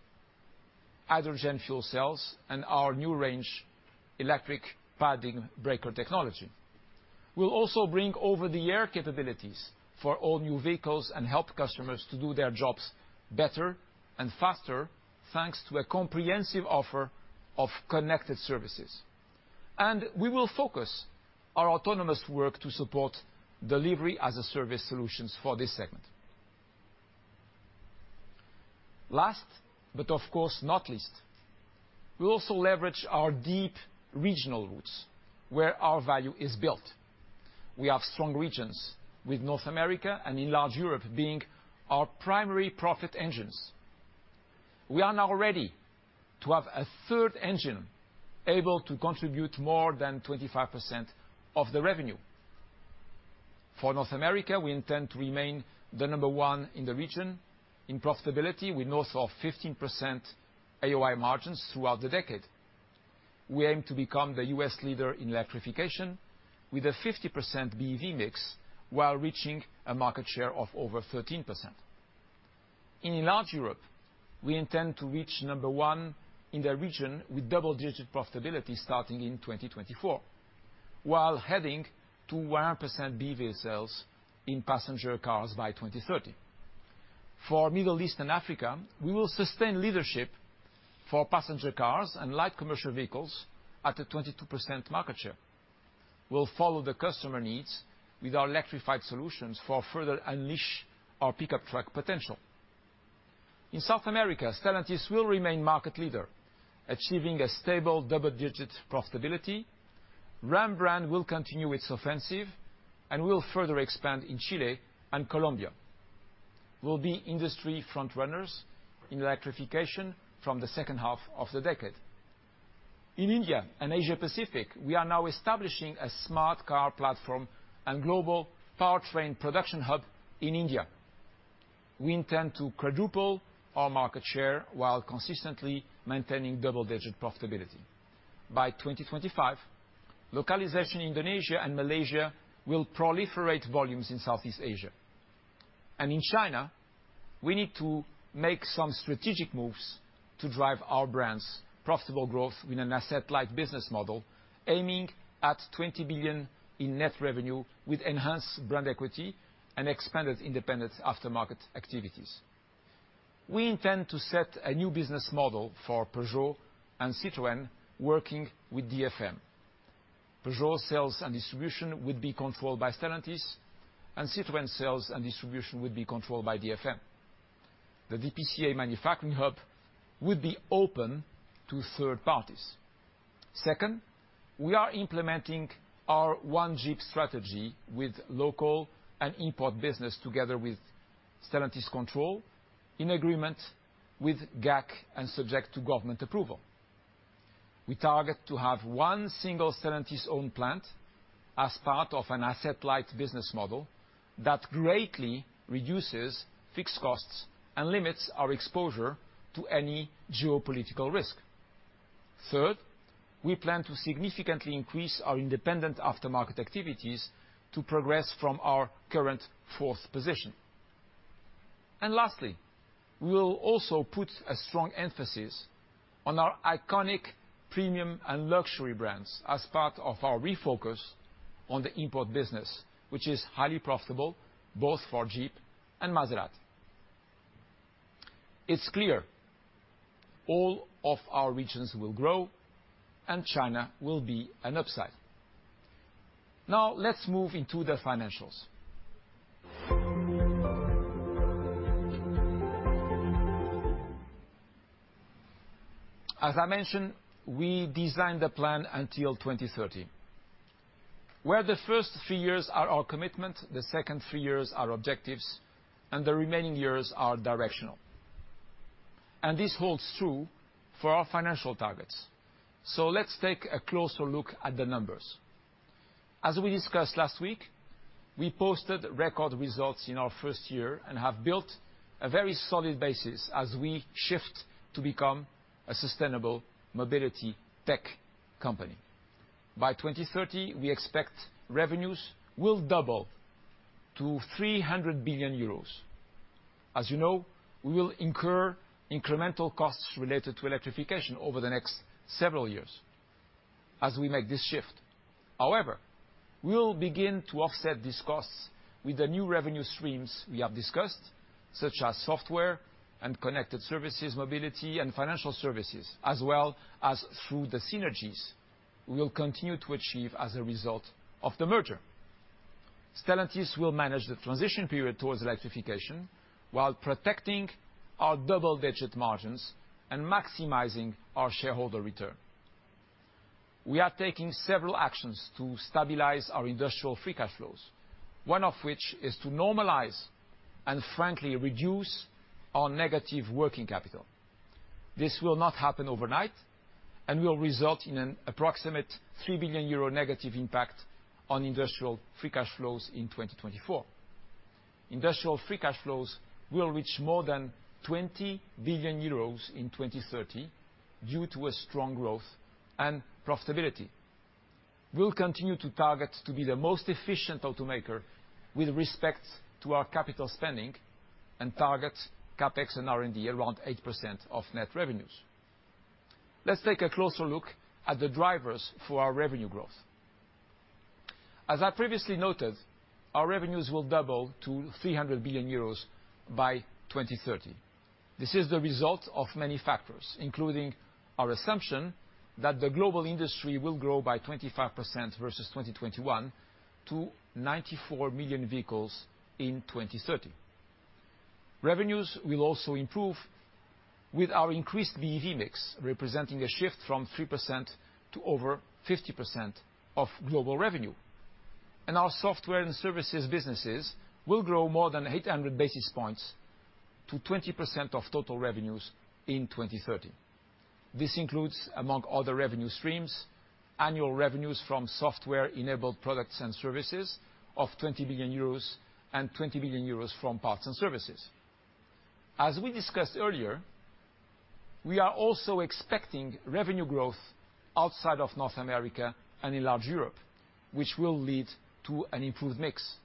hydrogen fuel cells, and our new range-extended electric vehicle technology. We'll also bring over-the-air capabilities for all new vehicles and help customers to do their jobs better and faster, thanks to a comprehensive offer of connected services. We will focus our autonomous work to support delivery-as-a-service solutions for this segment. Last, but of course not least, we also leverage our deep regional roots where our value is built. We have strong regions with North America and Enlarged Europe being our primary profit engines. We are now ready to have a third engine able to contribute more than 25% of the revenue. For North America, we intend to remain the number one in the region in profitability with north of 15% AOI margins throughout the decade. We aim to become the U.S. leader in electrification with a 50% BEV mix while reaching a market share of over 13%. In Enlarged Europe, we intend to reach number one in the region with double-digit profitability starting in 2024, while heading to 100% BEV sales in passenger cars by 2030. For Middle East and Africa, we will sustain leadership for passenger cars and light commercial vehicles at a 22% market share. We'll follow the customer needs with our electrified solutions to further unleash our pickup truck potential. In South America, Stellantis will remain market leader, achieving a stable double-digit profitability. Ram brand will continue its offensive and will further expand in Chile and Colombia. We'll be industry front runners in electrification from the second half of the decade. In India and Asia Pacific, we are now establishing a smart car platform and global powertrain production hub in India. We intend to quadruple our market share while consistently maintaining double-digit profitability. By 2025, localization in Indonesia and Malaysia will proliferate volumes in Southeast Asia. In China, we need to make some strategic moves to drive our brands profitable growth in an asset-light business model, aiming at 20 billion in net revenue with enhanced brand equity and expanded independence aftermarket activities. We intend to set a new business model for Peugeot and Citroën working with DFM. Peugeot sales and distribution would be controlled by Stellantis, and Citroën sales and distribution would be controlled by DFM. The DPCA manufacturing hub would be open to third parties. Second, we are implementing our one Jeep strategy with local and import business together with Stellantis control in agreement with GAC and subject to government approval. We target to have one single Stellantis-owned plant as part of an asset-light business model that greatly reduces fixed costs and limits our exposure to any geopolitical risk. Third, we plan to significantly increase our independent aftermarket activities to progress from our current fourth position. Lastly, we will also put a strong emphasis on our iconic premium and luxury brands as part of our refocus on the import business, which is highly profitable both for Jeep and Maserati. It's clear all of our regions will grow and China will be an upside. Now let's move into the financials. As I mentioned, we designed the plan until 2030, where the first three years are our commitment, the second three years are objectives, and the remaining years are directional. This holds true for our financial targets. Let's take a closer look at the numbers. As we discussed last week, we posted record results in our first year and have built a very solid basis as we shift to become a sustainable mobility tech company. By 2030, we expect revenues will double to 300 billion euros. As you know, we will incur incremental costs related to electrification over the next several years as we make this shift. However, we will begin to offset these costs with the new revenue streams we have discussed, such as software and connected services, mobility and financial services, as well as through the synergies we will continue to achieve as a result of the merger. Stellantis will manage the transition period towards electrification while protecting our double-digit margins and maximizing our shareholder return. We are taking several actions to stabilize our industrial free cash flows, one of which is to normalize and frankly reduce our negative working capital. This will not happen overnight and will result in an approximate 3 billion euro negative impact on industrial free cash flows in 2024. Industrial free cash flows will reach more than 20 billion euros in 2030 due to a strong growth and profitability. We'll continue to target to be the most efficient automaker with respect to our capital spending and target CapEx and R&D around 8% of net revenues. Let's take a closer look at the drivers for our revenue growth. As I previously noted, our revenues will double to 300 billion euros by 2030. This is the result of many factors, including our assumption that the global industry will grow by 25% versus 2021 to 94 million vehicles in 2030. Revenues will also improve with our increased BEV mix, representing a shift from 3% to over 50% of global revenue. Our software and services businesses will grow more than 800 basis points to 20% of total revenues in 2030. This includes, among other revenue streams, annual revenues from software-enabled products and services of 20 billion euros and 20 billion euros from parts and services. As we discussed earlier, we are also expecting revenue growth outside of North America and in Enlarged Europe, which will lead to an improved mix.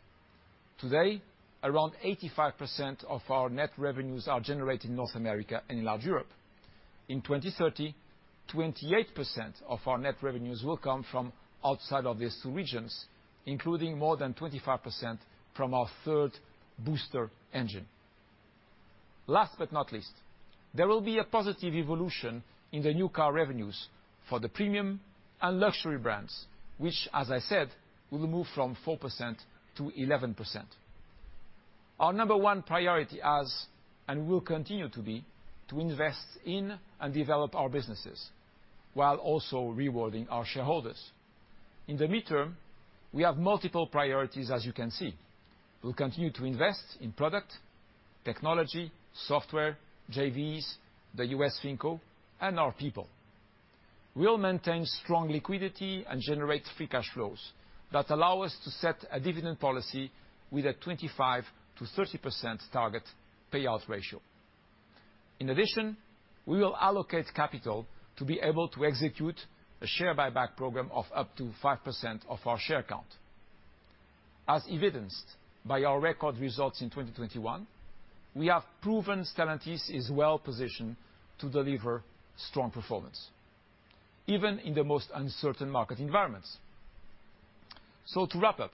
Today, around 85% of our net revenues are generated in North America and in Enlarged Europe. In 2030, 28% of our net revenues will come from outside of these two regions, including more than 25% from our third booster engine. Last but not least, there will be a positive evolution in the new car revenues for the premium and luxury brands, which as I said, will move from 4% to 11%. Our number one priority has and will continue to be to invest in and develop our businesses while also rewarding our shareholders. In the midterm, we have multiple priorities as you can see. We'll continue to invest in product, technology, software, JVs, the US FinCo, and our people. We'll maintain strong liquidity and generate free cash flows that allow us to set a dividend policy with a 25%-30% target payout ratio. In addition, we will allocate capital to be able to execute a share buyback program of up to 5% of our share count. As evidenced by our record results in 2021, we have proven Stellantis is well-positioned to deliver strong performance even in the most uncertain market environments. To wrap up.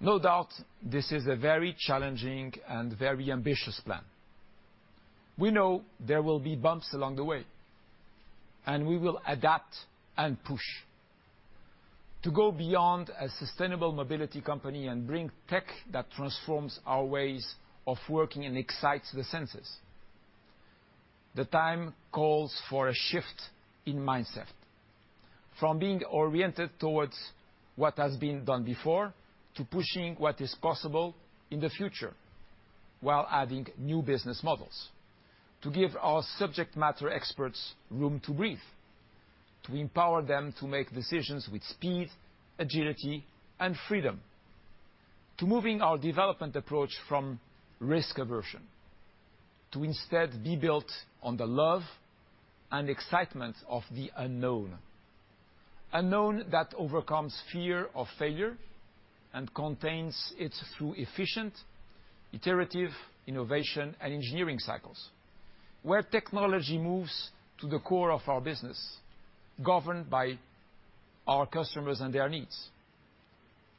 No doubt this is a very challenging and very ambitious plan. We know there will be bumps along the way, and we will adapt and push to go beyond a sustainable mobility company and bring tech that transforms our ways of working and excites the senses. The time calls for a shift in mindset from being oriented towards what has been done before to pushing what is possible in the future while adding new business models to give our subject matter experts room to breathe, to empower them to make decisions with speed, agility, and freedom, to moving our development approach from risk aversion to instead be built on the love and excitement of the unknown that overcomes fear of failure and contains it through efficient, iterative innovation and engineering cycles, where technology moves to the core of our business, governed by our customers and their needs,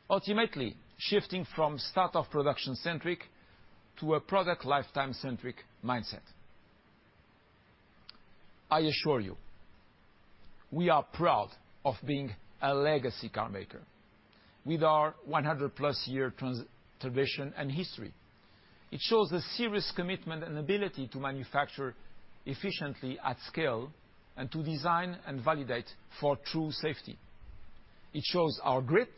ultimately shifting from start of production centric to a product lifetime centric mindset. I assure you, we are proud of being a legacy car maker with our 100+ year tradition and history. It shows a serious commitment and ability to manufacture efficiently at scale and to design and validate for true safety. It shows our grit,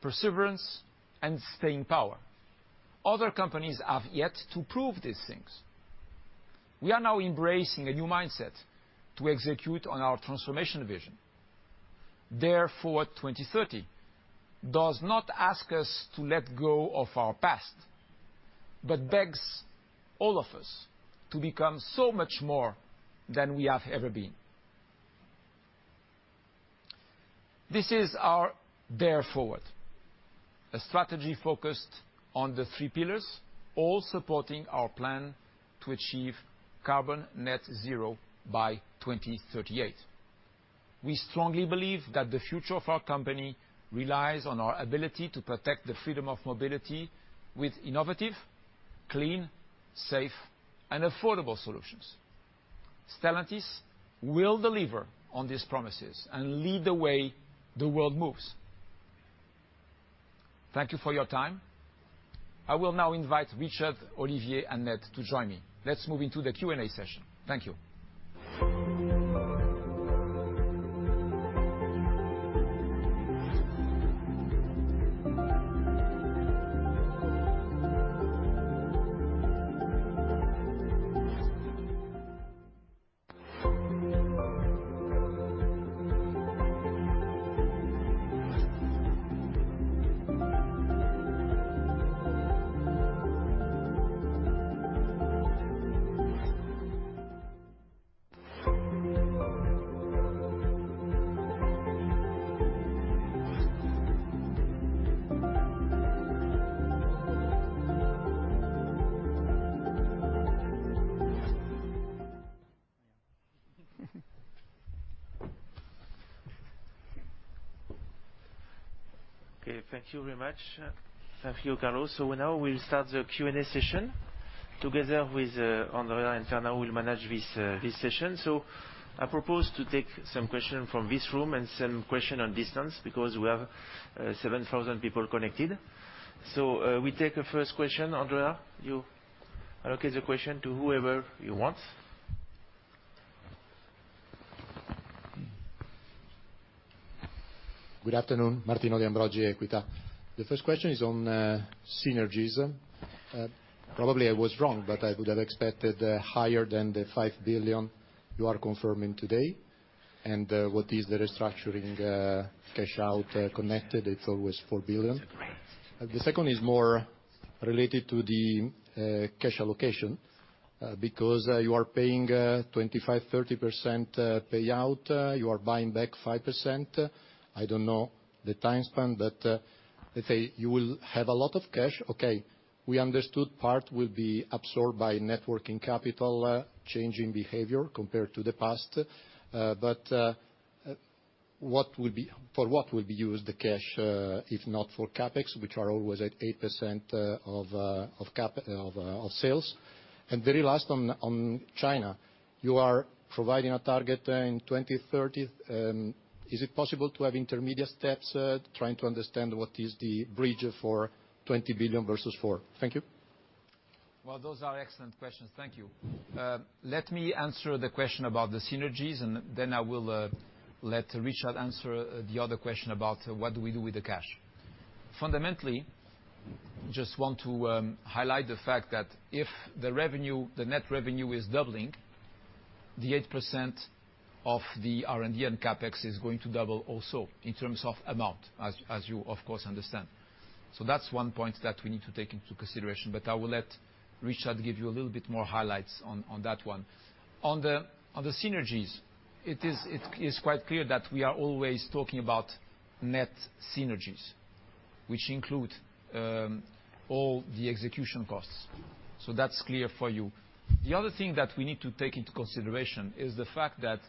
perseverance, and staying power. Other companies have yet to prove these things. We are now embracing a new mindset to execute on our transformation vision. Therefore, 2030 does not ask us to let go of our past, but begs all of us to become so much more than we have ever been. This is our Dare Forward, a strategy focused on the three pillars, all supporting our plan to achieve carbon net zero by 2038. We strongly believe that the future of our company relies on our ability to protect the freedom of mobility with innovative, clean, safe, and affordable solutions. Stellantis will deliver on these promises and lead the way the world moves. Thank you for your time. I will now invite Richard, Olivier, and Ned to join me. Let's move into the Q&A session. Thank you. Okay, thank you very much. Thank you, Carlos. Now we'll start the Q&A session. Together with Andrea. I'll manage this session. I propose to take some question from this room and some question on distance because we have 7,000 people connected. We take a first question. Andrea, you allocate the question to whoever you want. Good afternoon. Martino De Ambroggi, Equita. The first question is on synergies. Probably I was wrong, but I would have expected higher than the 5 billion you are confirming today. What is the restructuring cash out connected? It's always 4 billion. The second is more related to the cash allocation, because you are paying 25%-30% payout. You are buying back 5%. I don't know the time span, but let's say you will have a lot of cash. Okay, we understood part will be absorbed by net working capital change in behavior compared to the past. What would be used the cash, if not for CapEx, which are always at 8% of sales? Very last on China, you are providing a target in 2030. Is it possible to have intermediate steps, trying to understand what is the bridge for 20 billion versus 4 billion? Thank you. Well, those are excellent questions. Thank you. Let me answer the question about the synergies, and then I will let Richard answer the other question about what do we do with the cash. Fundamentally, just want to highlight the fact that if the revenue, the net revenue is doubling, the 8% of the R&D and CapEx is going to double also in terms of amount, as you of course understand. That's one point that we need to take into consideration, but I will let Richard give you a little bit more highlights on that one. On the synergies, it is quite clear that we are always talking about net synergies, which include all the execution costs. That's clear for you. The other thing that we need to take into consideration is the fact that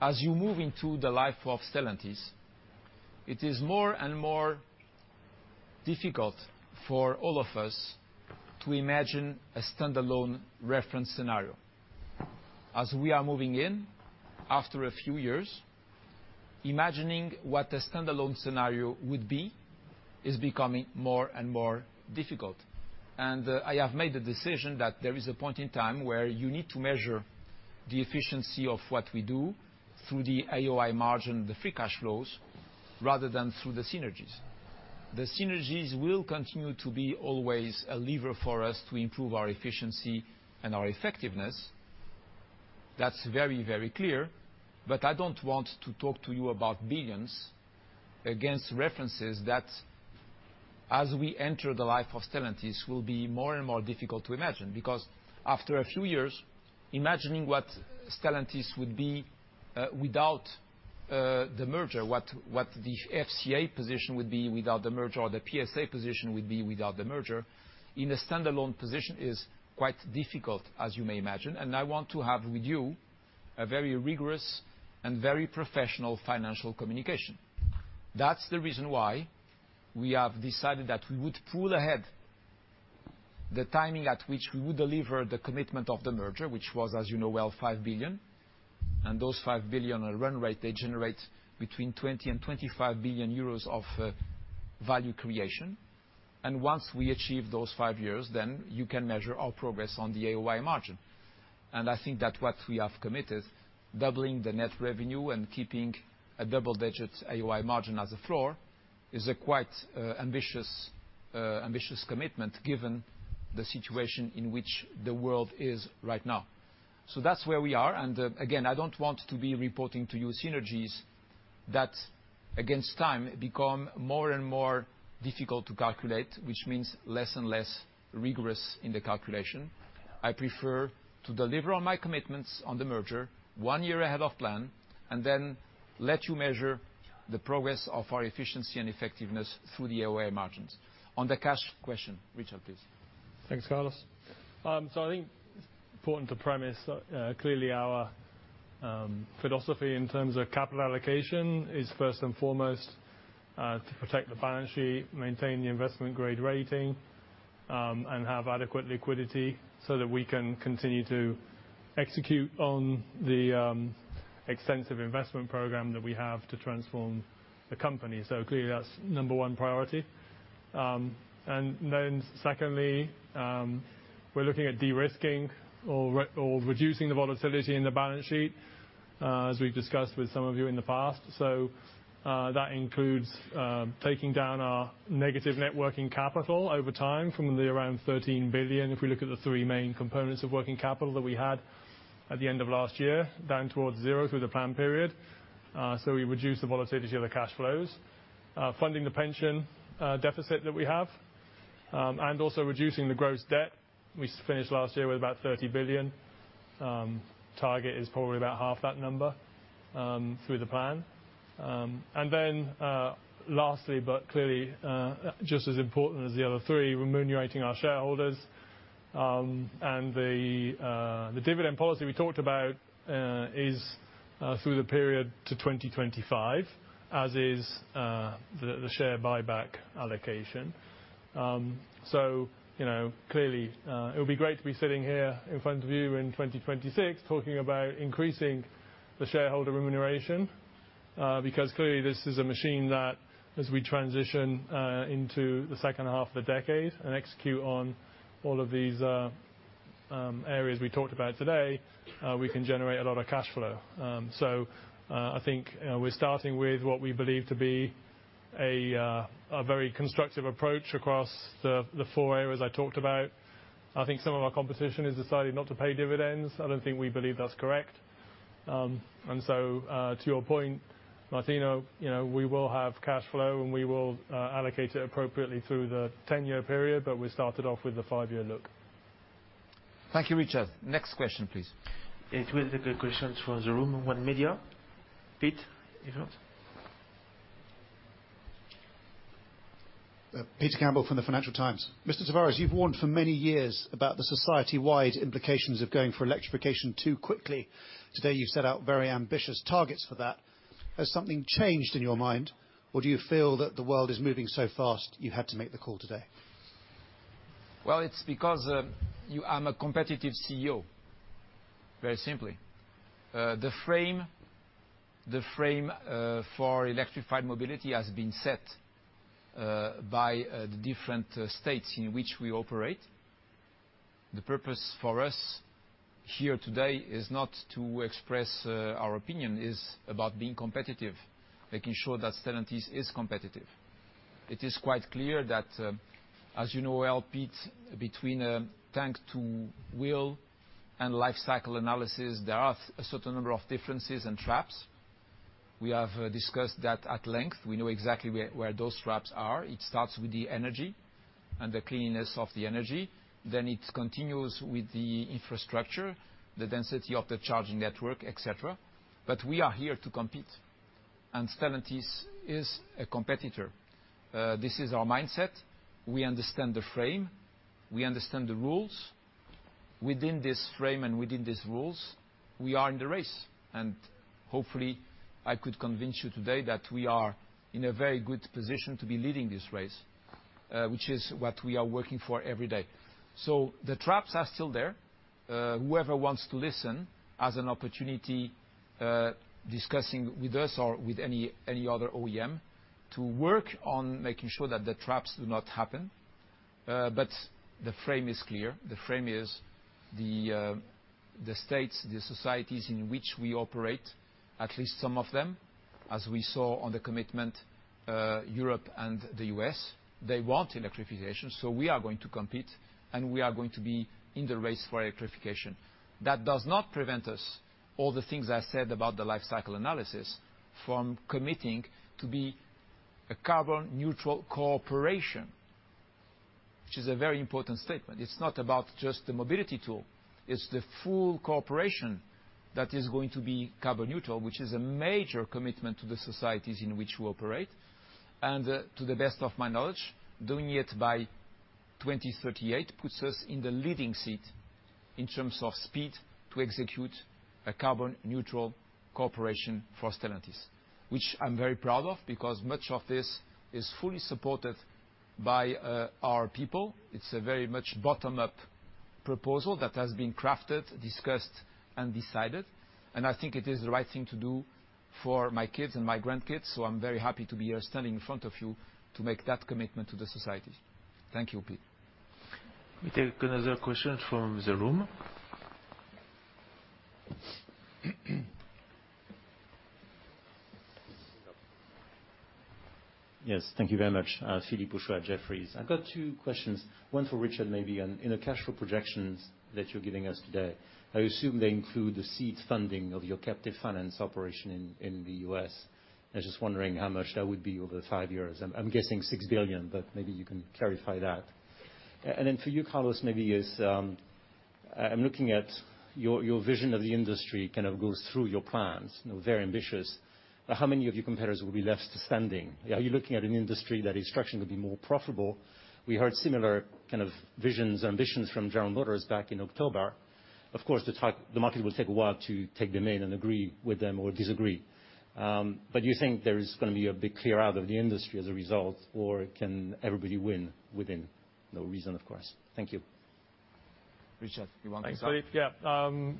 as you move into the life of Stellantis, it is more and more difficult for all of us to imagine a standalone reference scenario. As we are moving in, after a few years, imagining what the standalone scenario would be is becoming more and more difficult. I have made the decision that there is a point in time where you need to measure the efficiency of what we do through the AOI margin, the free cash flows, rather than through the synergies. The synergies will continue to be always a lever for us to improve our efficiency and our effectiveness. That's very, very clear. I don't want to talk to you about billions against references that as we enter the life of Stellantis will be more and more difficult to imagine. Because after a few years, imagining what Stellantis would be without the merger, what the FCA position would be without the merger or the PSA position would be without the merger, in a standalone position is quite difficult, as you may imagine. I want to have with you a very rigorous and very professional financial communication. That's the reason why we have decided that we would pull ahead the timing at which we would deliver the commitment of the merger, which was, as you know well, 5 billion. Those 5 billion are run rate. They generate between 20 billion and 25 billion euros of value creation. Once we achieve those five years, then you can measure our progress on the AOI margin. I think that what we have committed, doubling the net revenue and keeping a double-digit AOI margin as a floor, is a quite ambitious commitment given the situation in which the world is right now. That's where we are. Again, I don't want to be reporting to you synergies that against time become more and more difficult to calculate, which means less and less rigorous in the calculation. I prefer to deliver on my commitments on the merger one year ahead of plan, and then let you measure the progress of our efficiency and effectiveness through the AOI margins. On the cash question, Richard, please. Thanks, Carlos. I think it's important to premise clearly our philosophy in terms of capital allocation is first and foremost to protect the balance sheet, maintain the investment grade rating, and have adequate liquidity so that we can continue to execute on the extensive investment program that we have to transform the company. Clearly, that's number one priority. Then secondly, we're looking at de-risking or reducing the volatility in the balance sheet, as we've discussed with some of you in the past. That includes taking down our negative net working capital over time from around 13 billion, if we look at the three main components of working capital that we had at the end of last year, down towards zero through the plan period. We reduce the volatility of the cash flows, funding the pension deficit that we have and also reducing the gross debt. We finished last year with about 30 billion. Target is probably about half that number through the plan. Lastly, but clearly just as important as the other three, remunerating our shareholders. The dividend policy we talked about is through the period to 2025, as is the share buyback allocation. You know, clearly, it would be great to be sitting here in front of you in 2026 talking about increasing the shareholder remuneration, because clearly this is a machine that as we transition into the second half of the decade and execute on all of these areas we talked about today, we can generate a lot of cash flow. I think, you know, we're starting with what we believe to be a very constructive approach across the four areas I talked about. I think some of our competition has decided not to pay dividends. I don't think we believe that's correct. To your point, Martino, you know, we will have cash flow, and we will allocate it appropriately through the 10-year period, but we started off with the five-year look. Thank you, Richard. Next question, please. It will be good questions from the room. Online media. Pete, if not? Peter Campbell from the Financial Times. Mr. Tavares, you've warned for many years about the society-wide implications of going for electrification too quickly. Today, you've set out very ambitious targets for that. Has something changed in your mind, or do you feel that the world is moving so fast you had to make the call today? Well, it's because, I'm a competitive CEO, very simply. The frame for electrified mobility has been set by the different states in which we operate. The purpose for us here today is not to express our opinion. It's about being competitive, making sure that Stellantis is competitive. It is quite clear that, as you know well, Pete, between tank-to-wheel and Life Cycle Analysis, there are a certain number of differences and traps. We have discussed that at length. We know exactly where those traps are. It starts with the energy and the cleanliness of the energy, then it continues with the infrastructure, the density of the charging network, et cetera. We are here to compete, and Stellantis is a competitor. This is our mindset. We understand the frame. We understand the rules. Within this frame and within these rules, we are in the race. Hopefully I could convince you today that we are in a very good position to be leading this race, which is what we are working for every day. The traps are still there. Whoever wants to listen has an opportunity, discussing with us or with any other OEM to work on making sure that the traps do not happen. The frame is clear. The frame is the the states, the societies in which we operate, at least some of them, as we saw on the commitment, Europe and the U.S., they want electrification, so we are going to compete, and we are going to be in the race for electrification. That does not prevent us, all the things I said about the life cycle analysis, from committing to be a carbon neutral corporation, which is a very important statement. It's not about just the mobility tool, it's the full corporation that is going to be carbon neutral, which is a major commitment to the societies in which we operate. To the best of my knowledge, doing it by 2038 puts us in the leading seat in terms of speed to execute a carbon neutral corporation for Stellantis, which I'm very proud of because much of this is fully supported by our people. It's a very much bottom-up proposal that has been crafted, discussed, and decided, and I think it is the right thing to do for my kids and my grandkids, so I'm very happy to be here standing in front of you to make that commitment to the society. Thank you, Pete. We take another question from the room. Yes. Thank you very much. Philippe Houchois, Jefferies. I've got two questions, one for Richard maybe. In the cash flow projections that you're giving us today, I assume they include the seed funding of your captive finance operation in the U.S. I was just wondering how much that would be over five years. I'm guessing $6 billion, but maybe you can clarify that. Then for you, Carlos, maybe, I'm looking at your vision of the industry kind of goes through your plans, you know, very ambitious. But how many of your competitors will be left standing? Are you looking at an industry that is structured to be more profitable? We heard similar kind of visions and ambitions from General Motors back in October. Of course, the type. The market will take a while to take them in and agree with them or disagree. You think there is gonna be a big clear out of the industry as a result, or can everybody win within? No reason, of course. Thank you. Richard, you want to start? Thanks, Philippe. Yeah.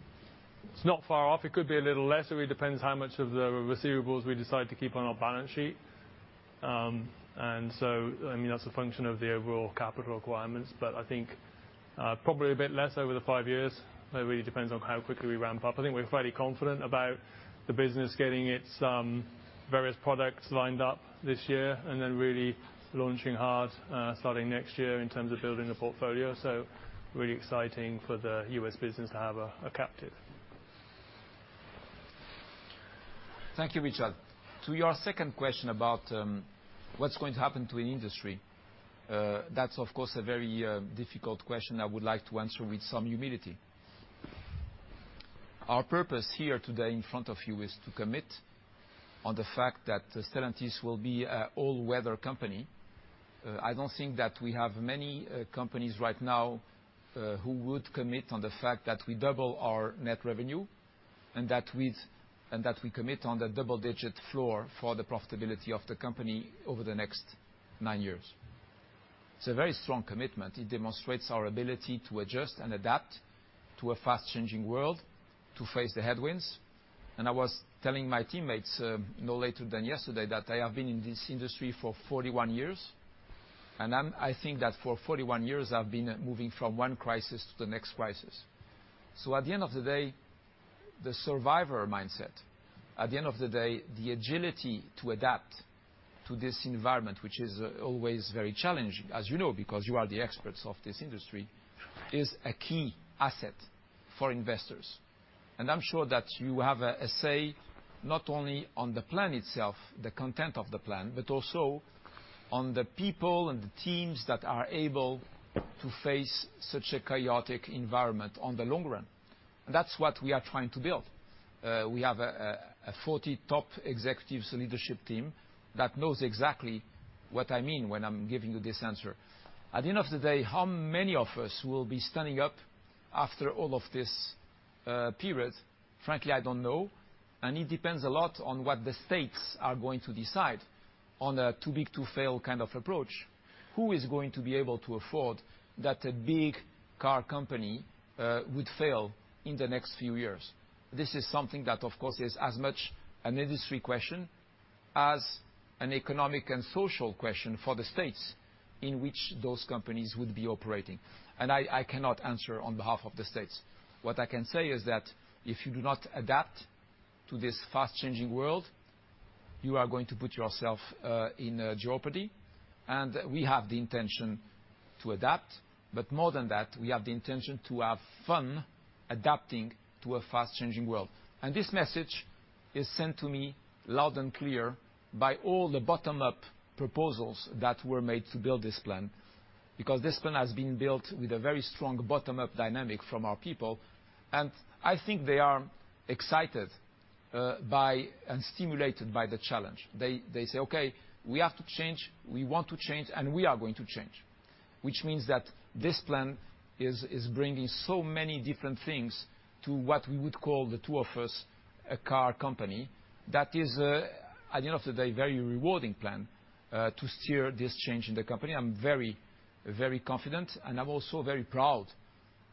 It's not far off. It could be a little less. It really depends how much of the receivables we decide to keep on our balance sheet. I mean, that's a function of the overall capital requirements, but I think, probably a bit less over the five years. It really depends on how quickly we ramp up. I think we're fairly confident about the business getting its various products lined up this year and then really launching hard, starting next year in terms of building the portfolio. Really exciting for the U.S. business to have a captive. Thank you, Richard. To your second question about what's going to happen to an industry, that's of course a very difficult question I would like to answer with some humility. Our purpose here today in front of you is to commit on the fact that Stellantis will be an all-weather company. I don't think that we have many companies right now who would commit on the fact that we double our net revenue and that we commit on the double digit floor for the profitability of the company over the next nine years. It's a very strong commitment. It demonstrates our ability to adjust and adapt to a fast changing world, to face the headwinds. I was telling my teammates no later than yesterday that I have been in this industry for 41 years, and I think that for 41 years I've been moving from one crisis to the next crisis. At the end of the day, the survivor mindset, at the end of the day, the agility to adapt to this environment, which is always very challenging, as you know, because you are the experts of this industry, is a key asset for investors. I'm sure that you have a say not only on the plan itself, the content of the plan, but also on the people and the teams that are able to face such a chaotic environment on the long run. That's what we are trying to build. We have a 40 top executives leadership team that knows exactly what I mean when I'm giving you this answer. At the end of the day, how many of us will be standing up after all of this period? Frankly, I don't know. It depends a lot on what the states are going to decide on a too-big-to-fail kind of approach. Who is going to be able to afford that a big car company would fail in the next few years? This is something that, of course, is as much an industry question as an economic and social question for the states in which those companies would be operating. I cannot answer on behalf of the states. What I can say is that if you do not adapt to this fast-changing world, you are going to put yourself in jeopardy. We have the intention to adapt, but more than that, we have the intention to have fun adapting to a fast-changing world. This message is sent to me loud and clear by all the bottom-up proposals that were made to build this plan. Because this plan has been built with a very strong bottom-up dynamic from our people, and I think they are excited by and stimulated by the challenge. They say, "Okay, we have to change, we want to change, and we are going to change." Which means that this plan is bringing so many different things to what we would call the two of us a car company that is, at the end of the day, a very rewarding plan to steer this change in the company. I'm very, very confident, and I'm also very proud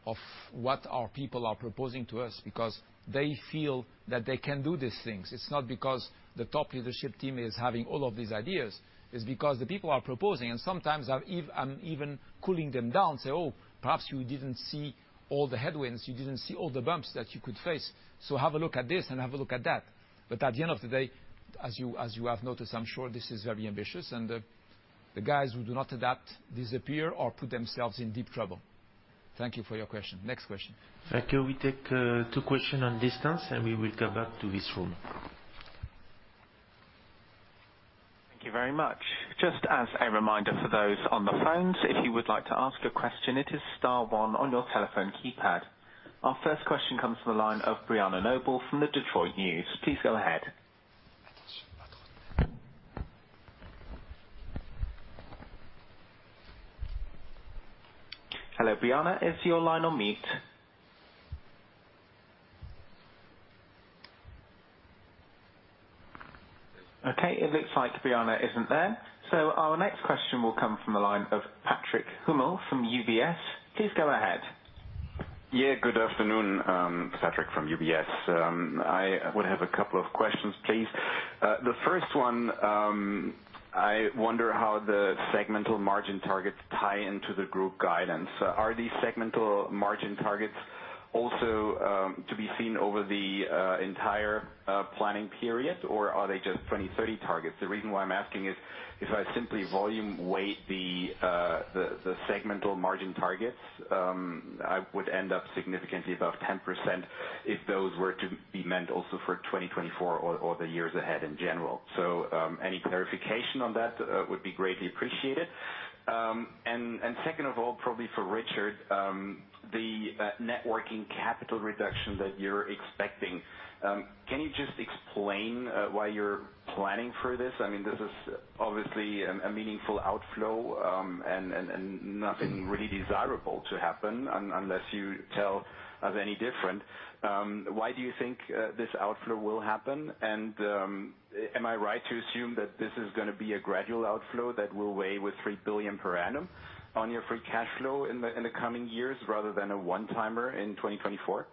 of what our people are proposing to us because they feel that they can do these things. It's not because the top leadership team is having all of these ideas. It's because the people are proposing, and sometimes I'm even cooling them down, say, "Oh, perhaps you didn't see all the headwinds, you didn't see all the bumps that you could face, so have a look at this and have a look at that." At the end of the day, as you have noticed, I'm sure this is very ambitious, and the guys who do not adapt, disappear, or put themselves in deep trouble. Thank you for your question. Next question. Thank you. We take two questions in this instance, and we will come back to this room. Thank you very much. Just as a reminder for those on the phones, if you would like to ask a question, it is star one on your telephone keypad. Our first question comes from the line of Breana Noble from The Detroit News. Please go ahead. Hello, Breana. Is your line on mute? Okay, it looks like Breana isn't there. Our next question will come from the line of Patrick Hummel from UBS. Please go ahead. Yeah, good afternoon. Patrick from UBS. I would have a couple of questions, please. The first one, I wonder how the segmental margin targets tie into the group guidance. Are these segmental margin targets also to be seen over the entire planning period, or are they just 2030 targets? The reason why I'm asking is, if I simply volume weight the segmental margin targets, I would end up significantly above 10% if those were to be meant also for 2024 or the years ahead in general. Any clarification on that would be greatly appreciated. And second of all, probably for Richard, the net working capital reduction that you're expecting, can you just explain why you're planning for this? I mean, this is obviously a meaningful outflow, and nothing really desirable to happen unless you tell us any different. Why do you think this outflow will happen? Am I right to assume that this is gonna be a gradual outflow that will weigh with 3 billion per annum on your free cash flow in the coming years, rather than a one-timer in 2024?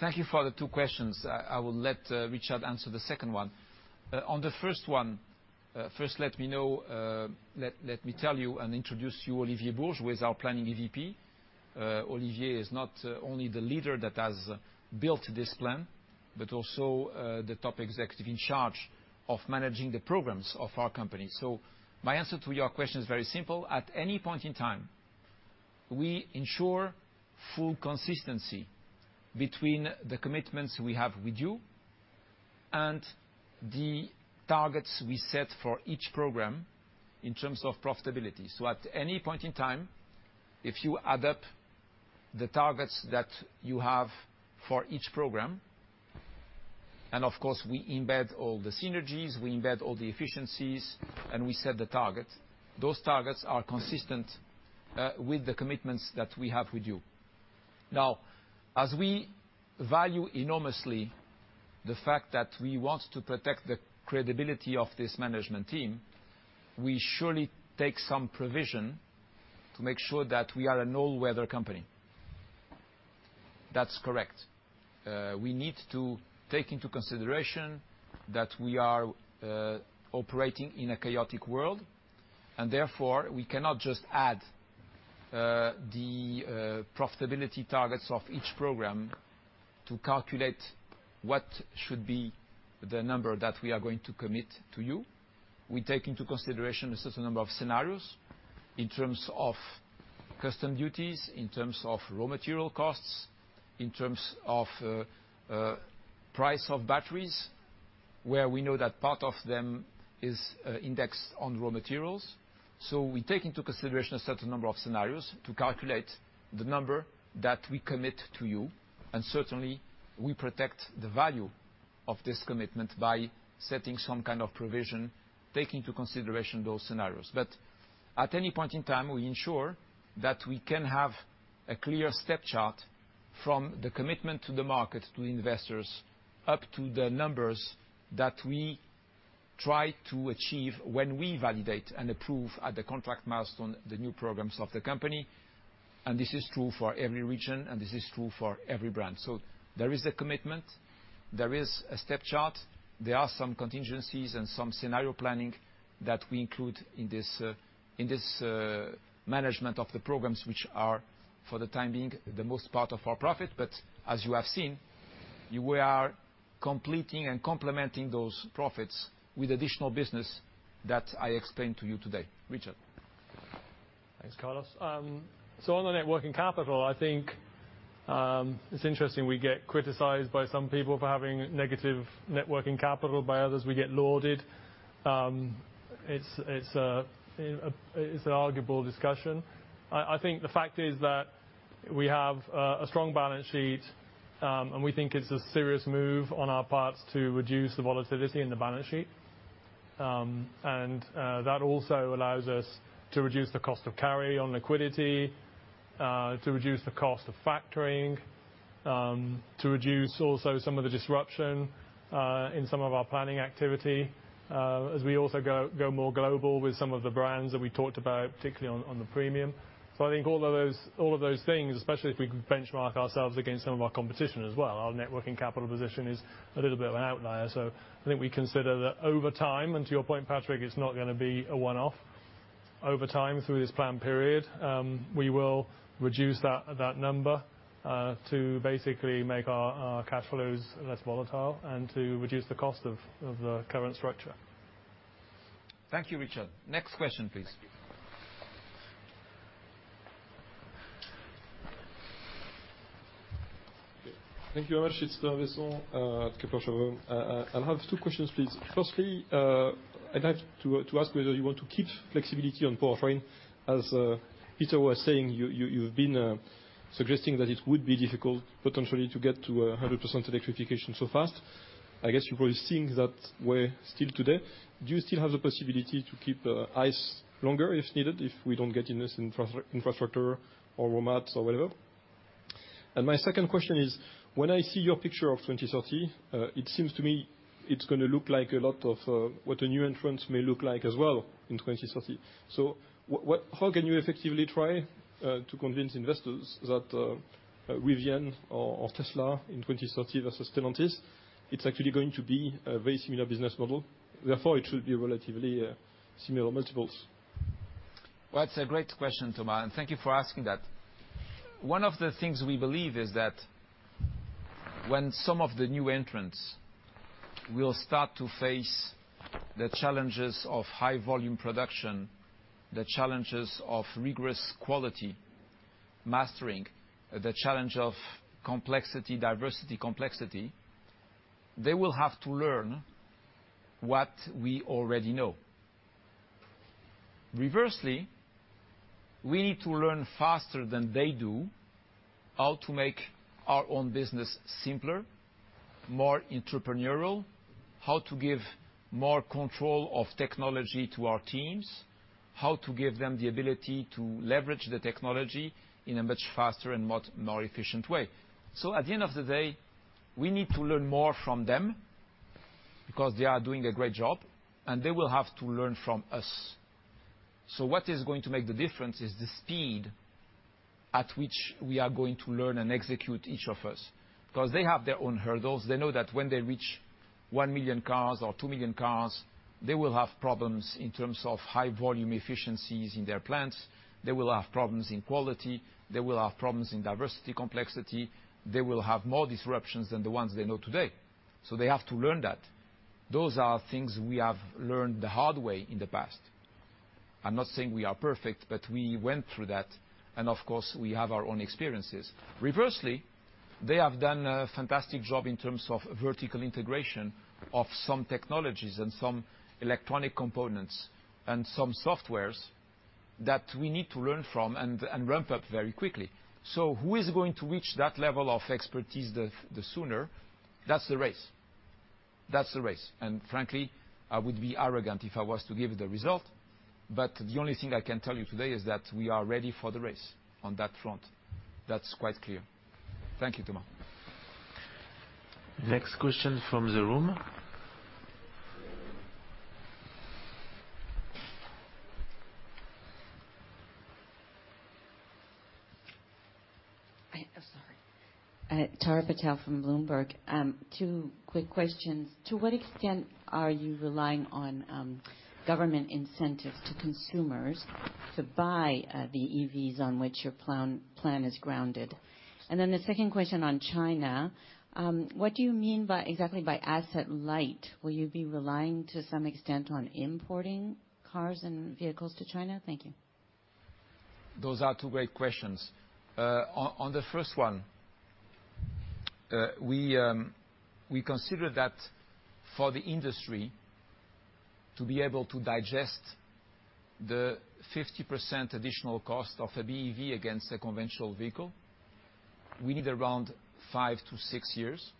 Thank you for the two questions. I will let Richard answer the second one. On the first one, let me tell you and introduce you to Olivier Bourges, who is our planning EVP. Olivier is not only the leader that has built this plan, but also the top executive in charge of managing the programs of our company. My answer to your question is very simple. At any point in time, we ensure full consistency between the commitments we have with you and the targets we set for each program in terms of profitability. At any point in time, if you add up the targets that you have for each program, and of course, we embed all the synergies, we embed all the efficiencies, and we set the targets. Those targets are consistent with the commitments that we have with you. Now, as we value enormously the fact that we want to protect the credibility of this management team, we surely take some provision to make sure that we are an all-weather company. That's correct. We need to take into consideration that we are operating in a chaotic world, and therefore, we cannot just add the profitability targets of each program to calculate what should be the number that we are going to commit to you. We take into consideration a certain number of scenarios in terms of customs duties, in terms of raw material costs, in terms of price of batteries where we know that part of them is indexed on raw materials. We take into consideration a certain number of scenarios to calculate the number that we commit to you. Certainly, we protect the value of this commitment by setting some kind of provision, take into consideration those scenarios. At any point in time, we ensure that we can have a clear step chart from the commitment to the market to investors, up to the numbers that we try to achieve when we validate and approve at the contract milestone, the new programs of the company, and this is true for every region, and this is true for every brand. There is a commitment, there is a step chart, there are some contingencies and some scenario planning that we include in this management of the programs, which are, for the time being, the most part of our profit. As you have seen, we are completing and complementing those profits with additional business that I explained to you today. Richard? Thanks, Carlos. On the working capital, I think it's interesting we get criticized by some people for having negative working capital. By others, we get lauded. It's an arguable discussion. I think the fact is that we have a strong balance sheet, and we think it's a serious move on our parts to reduce the volatility in the balance sheet. That also allows us to reduce the cost of carry on liquidity, to reduce the cost of factoring, to reduce also some of the disruption in some of our planning activity, as we also go more global with some of the brands that we talked about, particularly on the premium. I think all of those things, especially if we benchmark ourselves against some of our competition as well, our net working capital position is a little bit of an outlier. I think we consider that over time, and to your point, Patrick, it's not gonna be a one-off. Over time, through this plan period, we will reduce that number to basically make our cash flows less volatile and to reduce the cost of the current structure. Thank you, Richard. Next question, please. Thank you. Thank you very much. It's Thomas. I have two questions please. Firstly, I want to ask if you would like to keep flexibility as Peter was saying you have been suggesting that it would be difficult potentially to get to 100% fiction so fast and you guys seeing where we are still are today and do you have the capacity to keep eyes longer if we don't get infrastructure. And my second question is when I see your picture of 2030, it seems to me it's going to look like a lot of what a new entrances may look like in 2030 as well. So how can you effectively try to convince investors Tesla in 2030's is going to be a very similar business model and therefore it should be a relatively similar multiples. Well, it's a great question, Thomas, and thank you for asking that. One of the things we believe is that when some of the new entrants will start to face the challenges of high volume production, the challenges of rigorous quality mastering, the challenge of complexity, diversity complexity, they will have to learn what we already know. Reversely, we need to learn faster than they do how to make our own business simpler, more entrepreneurial, how to give more control of technology to our teams, how to give them the ability to leverage the technology in a much faster and much more efficient way. At the end of the day, we need to learn more from them because they are doing a great job, and they will have to learn from us. What is going to make the difference is the speed at which we are going to learn and execute, each of us. 'Cause they have their own hurdles. They know that when they reach 1 million cars or 2 million cars, they will have problems in terms of high volume efficiencies in their plants. They will have problems in quality, they will have problems in diversity complexity, they will have more disruptions than the ones they know today. They have to learn that. Those are things we have learned the hard way in the past. I'm not saying we are perfect, but we went through that. Of course, we have our own experiences. Reversely, they have done a fantastic job in terms of vertical integration of some technologies and some electronic components and some softwares that we need to learn from and ramp up very quickly. Who is going to reach that level of expertise the sooner? That's the race. Frankly, I would be arrogant if I was to give the result, but the only thing I can tell you today is that we are ready for the race on that front. That's quite clear. Thank you, Thomas. Next question from the room. I'm sorry. Tara Patel from Bloomberg. Two quick questions. To what extent are you relying on government incentives to consumers to buy the EVs on which your plan is grounded? Then the second question on China, what do you mean exactly by asset light? Will you be relying to some extent on importing cars and vehicles to China? Thank you. Those are two great questions. On the first one, we consider that for the industry to be able to digest the 50% additional cost of a BEV against a conventional vehicle, we need around five to six years.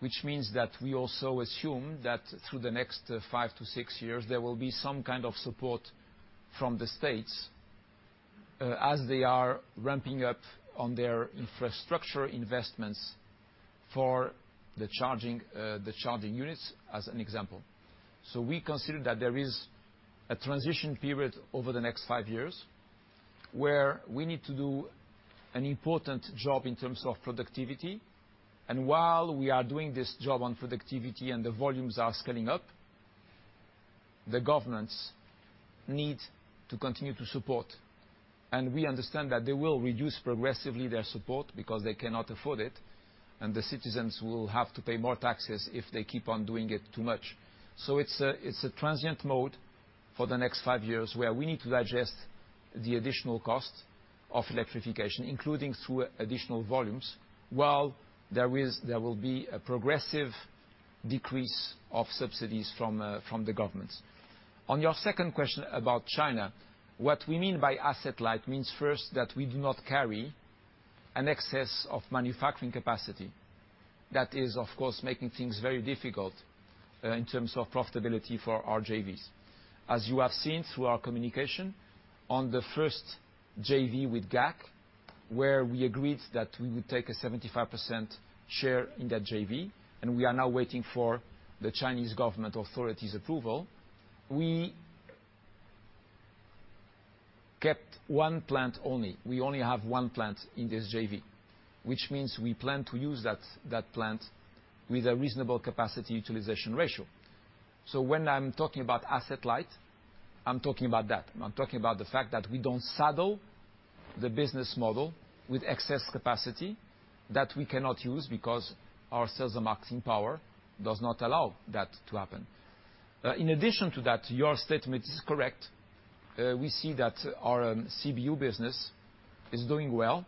Which means that we also assume that through the next five to six years, there will be some kind of support from the states, as they are ramping up on their infrastructure investments for the charging units, as an example. We consider that there is a transition period over the next five years where we need to do an important job in terms of productivity. While we are doing this job on productivity and the volumes are scaling up, the governments need to continue to support. We understand that they will reduce progressively their support because they cannot afford it, and the citizens will have to pay more taxes if they keep on doing it too much. It's a transient mode for the next five years, where we need to digest the additional cost of electrification, including through additional volumes, while there will be a progressive decrease of subsidies from the governments. On your second question about China, what we mean by asset light means first that we do not carry an excess of manufacturing capacity. That is, of course, making things very difficult in terms of profitability for our JVs. As you have seen through our communication, on the first JV with GAC, where we agreed that we would take a 75% share in that JV, and we are now waiting for the Chinese government authorities' approval, we kept one plant only. We only have one plant in this JV, which means we plan to use that plant with a reasonable capacity utilization ratio. When I'm talking about asset light, I'm talking about that. I'm talking about the fact that we don't saddle the business model with excess capacity that we cannot use because our sales and marketing power does not allow that to happen. In addition to that, your statement is correct. We see that our CBU business is doing well,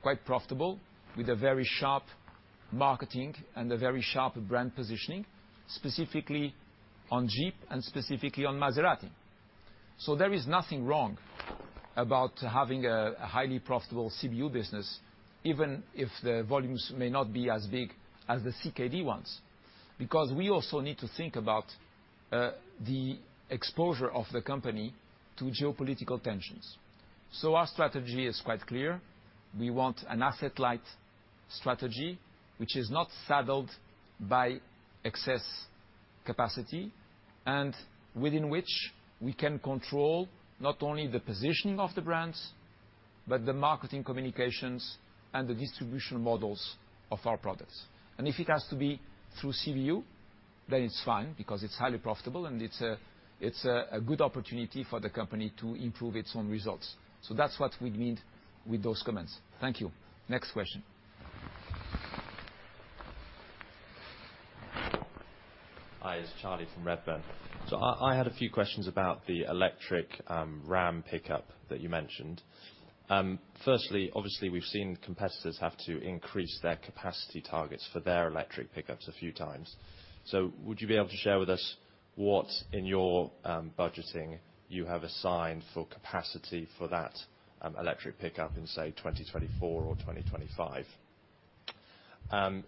quite profitable, with a very sharp marketing and a very sharp brand positioning, specifically on Jeep and specifically on Maserati. There is nothing wrong about having a highly profitable CBU business, even if the volumes may not be as big as the CKD ones, because we also need to think about the exposure of the company to geopolitical tensions. Our strategy is quite clear. We want an asset-light strategy, which is not saddled by excess capacity, and within which we can control not only the positioning of the brands, but the marketing communications and the distribution models of our products. If it has to be through CBU, then it's fine, because it's highly profitable and it's a good opportunity for the company to improve its own results. That's what we mean with those comments. Thank you. Next question. Hi, it's Charlie from Redburn. I had a few questions about the electric Ram pickup that you mentioned. Firstly, obviously, we've seen competitors have to increase their capacity targets for their electric pickups a few times. Would you be able to share with us what in your budgeting you have assigned for capacity for that electric pickup in, say, 2024 or 2025?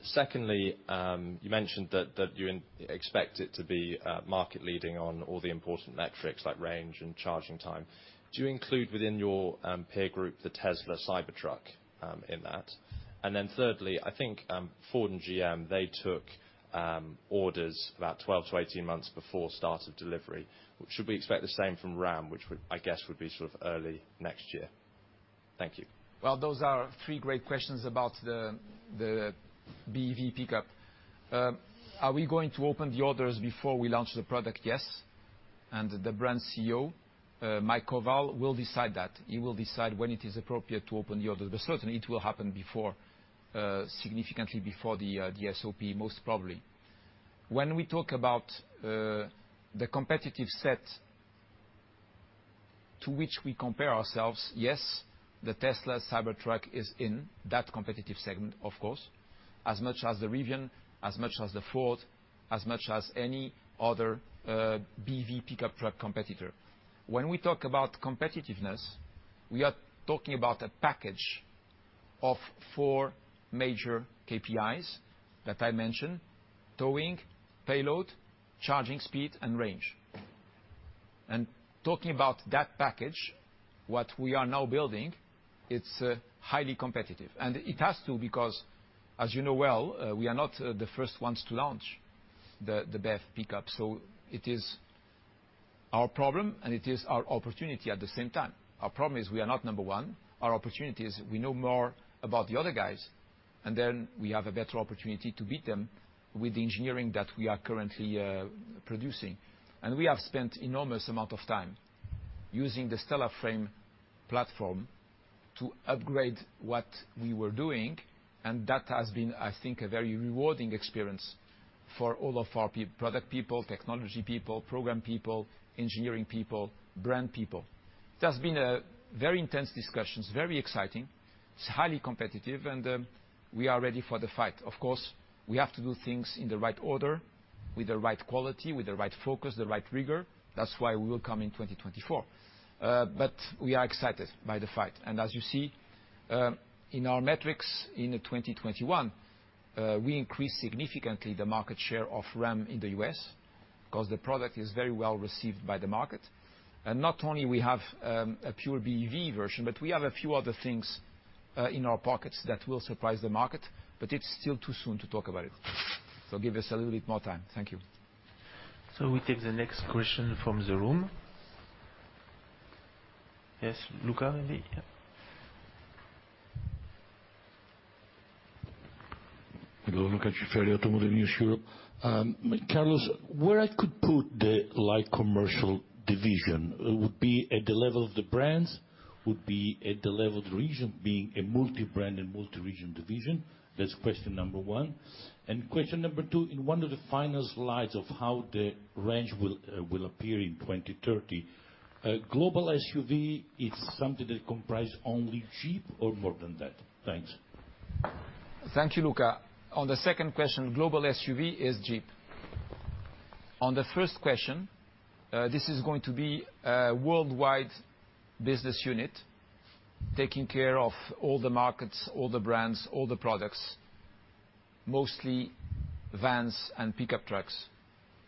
Secondly, you mentioned that you expect it to be market leading on all the important metrics like range and charging time. Do you include within your peer group the Tesla Cybertruck in that? Then thirdly, I think Ford and GM, they took orders about 12-18 months before start of delivery. Should we expect the same from Ram, which I guess would be sort of early next year? Thank you. Well, those are three great questions about the BEV pickup. Are we going to open the orders before we launch the product? Yes. The Brand CEO, Mike Koval, will decide that. He will decide when it is appropriate to open the orders. Certainly, it will happen before, significantly before the SOP, most probably. When we talk about the competitive set to which we compare ourselves, yes, the Tesla Cybertruck is in that competitive segment, of course, as much as the Rivian, as much as the Ford, as much as any other BEV pickup truck competitor. When we talk about competitiveness, we are talking about a package of four major KPIs that I mentioned, towing, payload, charging speed, and range. Talking about that package, what we are now building, it's highly competitive. It has to because, as you know well, we are not the first ones to launch the BEV pickup. It is our problem and it is our opportunity at the same time. Our problem is we are not number one. Our opportunity is we know more about the other guys, and then we have a better opportunity to beat them with the engineering that we are currently producing. We have spent enormous amount of time using the STLA Frame platform to upgrade what we were doing, and that has been, I think, a very rewarding experience for all of our product people, technology people, program people, engineering people, brand people. It has been very intense discussions, very exciting. It's highly competitive and we are ready for the fight. Of course, we have to do things in the right order with the right quality, with the right focus, the right rigor. That's why we will come in 2024. We are excited by the fight. As you see, in our metrics in the 2021, we increased significantly the market share of Ram in the U.S. 'cause the product is very well-received by the market. Not only we have a pure BEV version, but we have a few other things in our pockets that will surprise the market, but it's still too soon to talk about it. Give us a little bit more time. Thank you. We take the next question from the room. Yes, Luca, ready? Yeah. Luca Ciferri, Automotive News Europe. Carlos, where I could put the light commercial division, it would be at the level of the brands, would be at the level of the region being a multi-brand and multi-region division. That's question number one. Question number two, in one of the final slides of how the range will appear in 2030, global SUV is something that comprise only Jeep or more than that? Thanks. Thank you, Luca. On the second question, global SUV is Jeep. On the first question, this is going to be a worldwide business unit taking care of all the markets, all the brands, all the products, mostly vans and pickup trucks,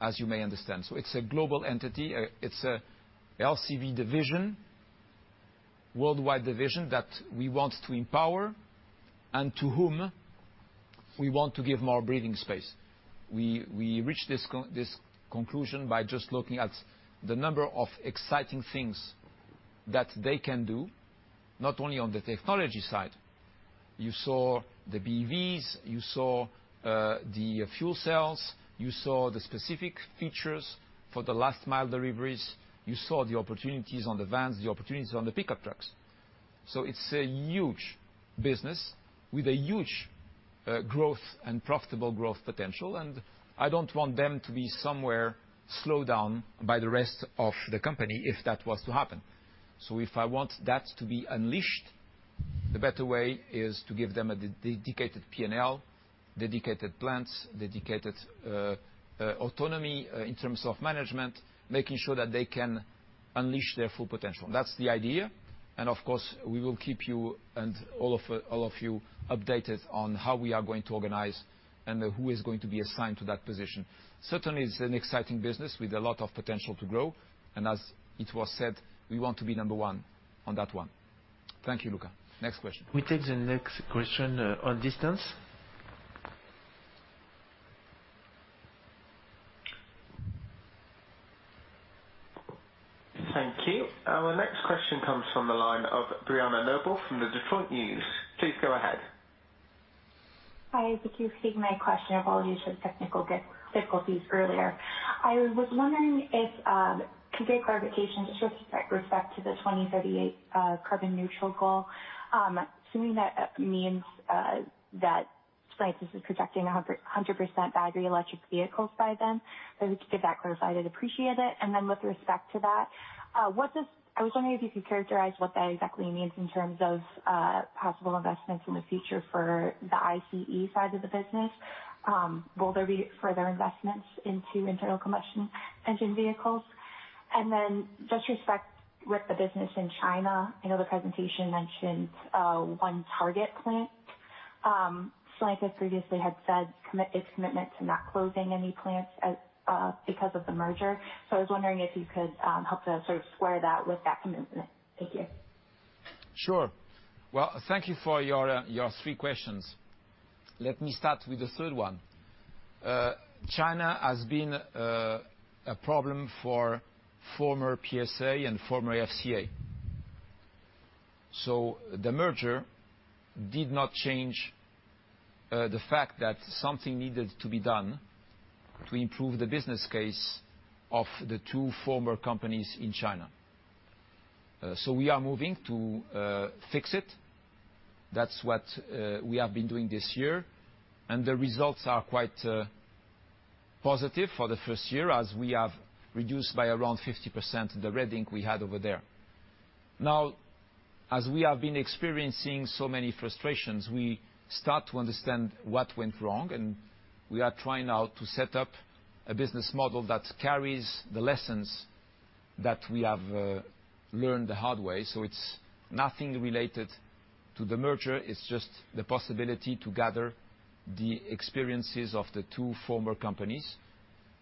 as you may understand. It's a global entity. It's a LCV division, worldwide division that we want to empower and to whom we want to give more breathing space. We reach this conclusion by just looking at the number of exciting things that they can do, not only on the technology side. You saw the BEVs, you saw the fuel cells, you saw the specific features for the last mile deliveries, you saw the opportunities on the vans, the opportunities on the pickup trucks. It's a huge business with a huge growth and profitable growth potential, and I don't want them to be somewhere slowed down by the rest of the company if that was to happen. If I want that to be unleashed, the better way is to give them a dedicated P&L, dedicated plants, dedicated autonomy in terms of management, making sure that they can unleash their full potential. That's the idea. Of course, we will keep you and all of you updated on how we are going to organize and who is going to be assigned to that position. Certainly, it's an exciting business with a lot of potential to grow. As it was said, we want to be number one on that one. Thank you, Luca. Next question. We take the next question on distance. Thank you. Our next question comes from the line of Breana Noble from The Detroit News. Please go ahead. Hi. Thank you for taking my question. Apologies for the technical difficulties earlier. I was wondering if you could give clarification just with respect to the 2038 carbon neutral goal. Assuming that means that Stellantis is projecting a 100% battery electric vehicles by then. If I could get that clarified, I'd appreciate it. With respect to that, I was wondering if you could characterize what that exactly means in terms of possible investments in the future for the ICE side of the business. Will there be further investments into internal combustion engine vehicles? With respect to the business in China, I know the presentation mentioned one target plant. Stellantis previously had said its commitment to not closing any plants because of the merger. I was wondering if you could help to sort of square that with that commitment. Thank you. Sure. Well, thank you for your three questions. Let me start with the third one. China has been a problem for former PSA and former FCA. The merger did not change the fact that something needed to be done to improve the business case of the two former companies in China. We are moving to fix it. That's what we have been doing this year, and the results are quite positive for the first year as we have reduced by around 50% the red ink we had over there. Now, as we have been experiencing so many frustrations, we start to understand what went wrong, and we are trying now to set up a business model that carries the lessons that we have learned the hard way. It's nothing related to the merger. It's just the possibility to gather the experiences of the two former companies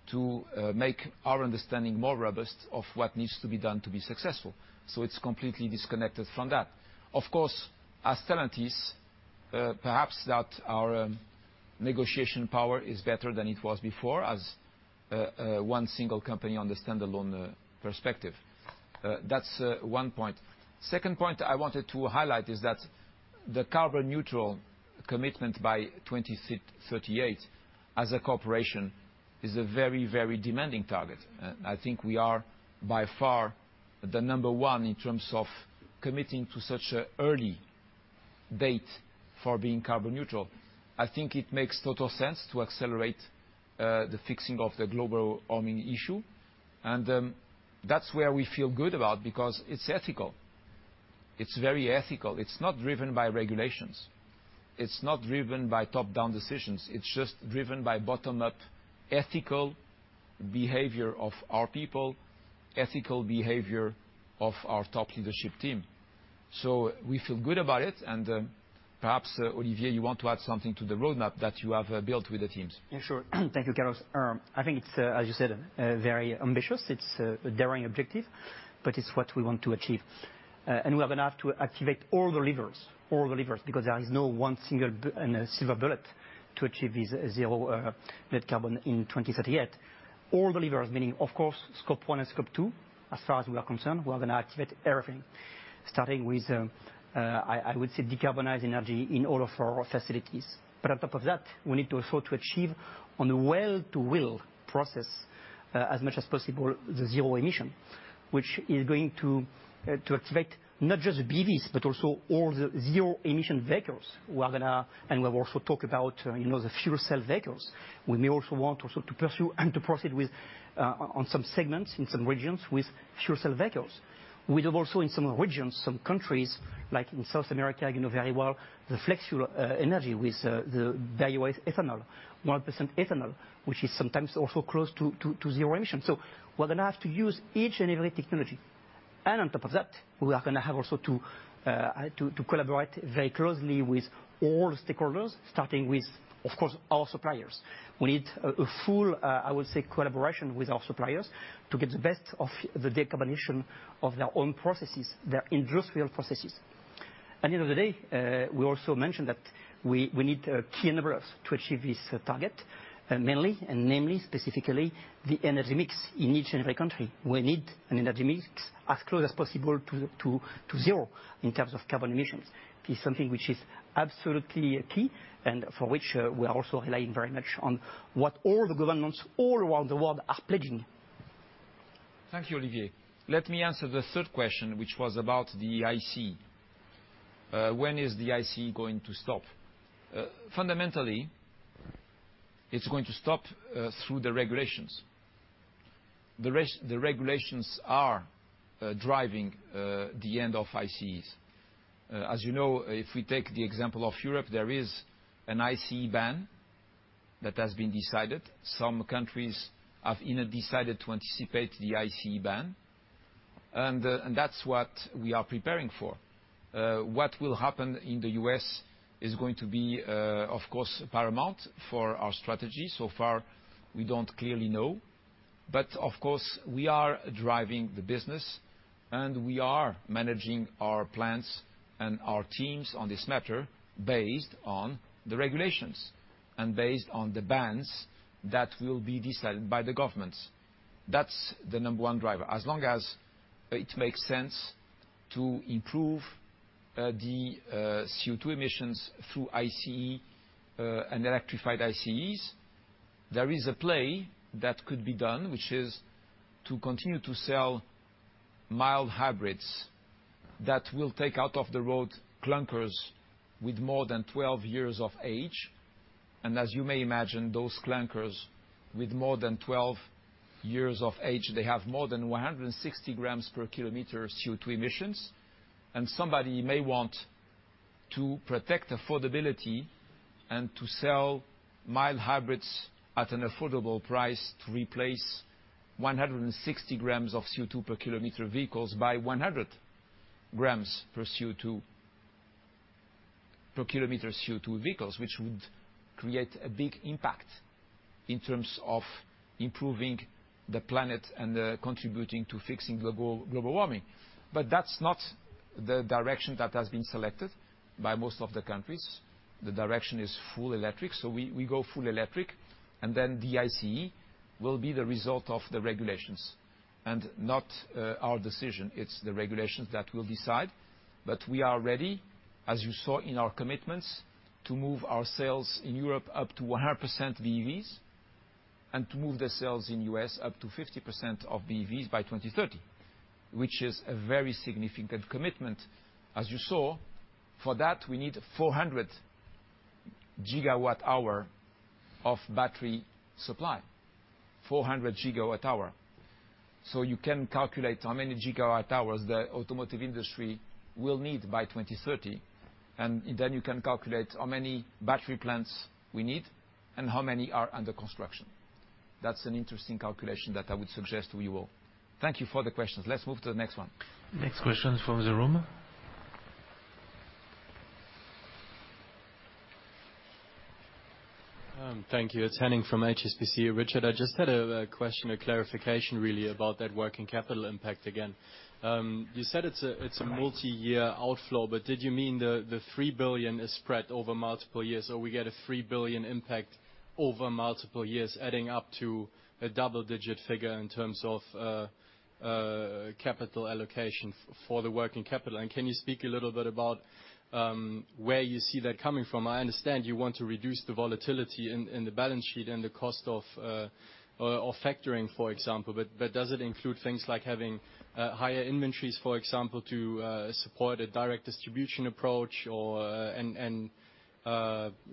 to make our understanding more robust of what needs to be done to be successful. So it's completely disconnected from that. Of course, as Stellantis, perhaps that our negotiation power is better than it was before as one single company on the standalone perspective. That's one point. Second point I wanted to highlight is that. The carbon neutral commitment by 2038 as a corporation is a very, very demanding target. I think we are by far the number one in terms of committing to such a early date for being carbon neutral. I think it makes total sense to accelerate the fixing of the global warming issue. That's where we feel good about because it's ethical. It's very ethical. It's not driven by regulations. It's not driven by top-down decisions. It's just driven by bottom-up ethical behavior of our people, ethical behavior of our top leadership team. We feel good about it. Perhaps Olivier, you want to add something to the roadmap that you have built with the teams. Yeah, sure. Thank you, Carlos. I think it's as you said very ambitious. It's a daring objective, but it's what we want to achieve. We are gonna have to activate all the levers, because there is no one single and a silver bullet to achieve this zero net carbon in 2038. All the levers, meaning, of course, Scope 1 and Scope 2. As far as we are concerned, we are gonna activate everything, starting with I would say decarbonizing energy in all of our facilities. On top of that, we need to also achieve on the well-to-wheel process, as much as possible, the zero-emission, which is going to activate not just BEVs, but also all the zero-emission vehicles. We'll also talk about the fuel cell vehicles. We may also want to pursue and to proceed with on some segments in some regions with fuel cell vehicles. We have also in some regions, some countries, like in South America, you know very well, the flex fuel engines with the various ethanol, 100% ethanol, which is sometimes also close to zero emissions. We're gonna have to use each and every technology. On top of that, we are gonna have also to collaborate very closely with all stakeholders, starting with, of course, our suppliers. We need a full, I would say, collaboration with our suppliers to get the best of the decarbonization of their own processes, their industrial processes. At the end of the day, we also mentioned that we need key enablers to achieve this target, mainly and namely, specifically, the energy mix in each and every country. We need an energy mix as close as possible to zero in terms of carbon emissions. It's something which is absolutely key and for which we are also relying very much on what all the governments all around the world are pledging. Thank you, Olivier. Let me answer the third question, which was about the ICE. When is the ICE going to stop? Fundamentally, it's going to stop through the regulations. The regulations are driving the end of ICEs. As you know, if we take the example of Europe, there is an ICE ban that has been decided. Some countries have even decided to anticipate the ICE ban, and that's what we are preparing for. What will happen in the U.S. is going to be, of course, paramount for our strategy. So far, we don't clearly know. Of course, we are driving the business, and we are managing our plans and our teams on this matter based on the regulations and based on the bans that will be decided by the governments. That's the number one driver. As long as it makes sense to improve the CO2 emissions through ICE and electrified ICEs, there is a play that could be done, which is to continue to sell mild hybrids that will take out of the road clunkers with more than 12 years of age. As you may imagine, those clunkers with more than 12 years of age, they have more than 160 grams per km CO2 emissions. Somebody may want to protect affordability and to sell mild hybrids at an affordable price to replace 160 grams of CO2 per km vehicles by 100 grams per CO2 per kilometer CO2 vehicles, which would create a big impact in terms of improving the planet and contributing to fixing global warming. That's not the direction that has been selected by most of the countries. The direction is full electric. We go full electric, and then the ICE will be the result of the regulations and not, our decision. It's the regulations that will decide. We are ready, as you saw in our commitments, to move our sales in Europe up to 100% BEVs and to move the sales in U.S. up to 50% of BEVs by 2030, which is a very significant commitment. As you saw, for that, we need 400 GWh of battery supply, 400 GWh. You can calculate how many GWhs the automotive industry will need by 2030, and then you can calculate how many battery plants we need and how many are under construction. That's an interesting calculation that I would suggest we will. Thank you for the questions. Let's move to the next one. Next question from the room. Thank you. It's Henning from HSBC. Richard, I just had a question or clarification really about that working capital impact again. You said it's a multi-year outflow, but did you mean the 3 billion is spread over multiple years, or we get a 3 billion impact over multiple years adding up to a double-digit figure in terms of capital allocation for the working capital? Can you speak a little bit about where you see that coming from? I understand you want to reduce the volatility in the balance sheet and the cost of or factoring, for example. Does it include things like having higher inventories, for example, to support a direct distribution approach or?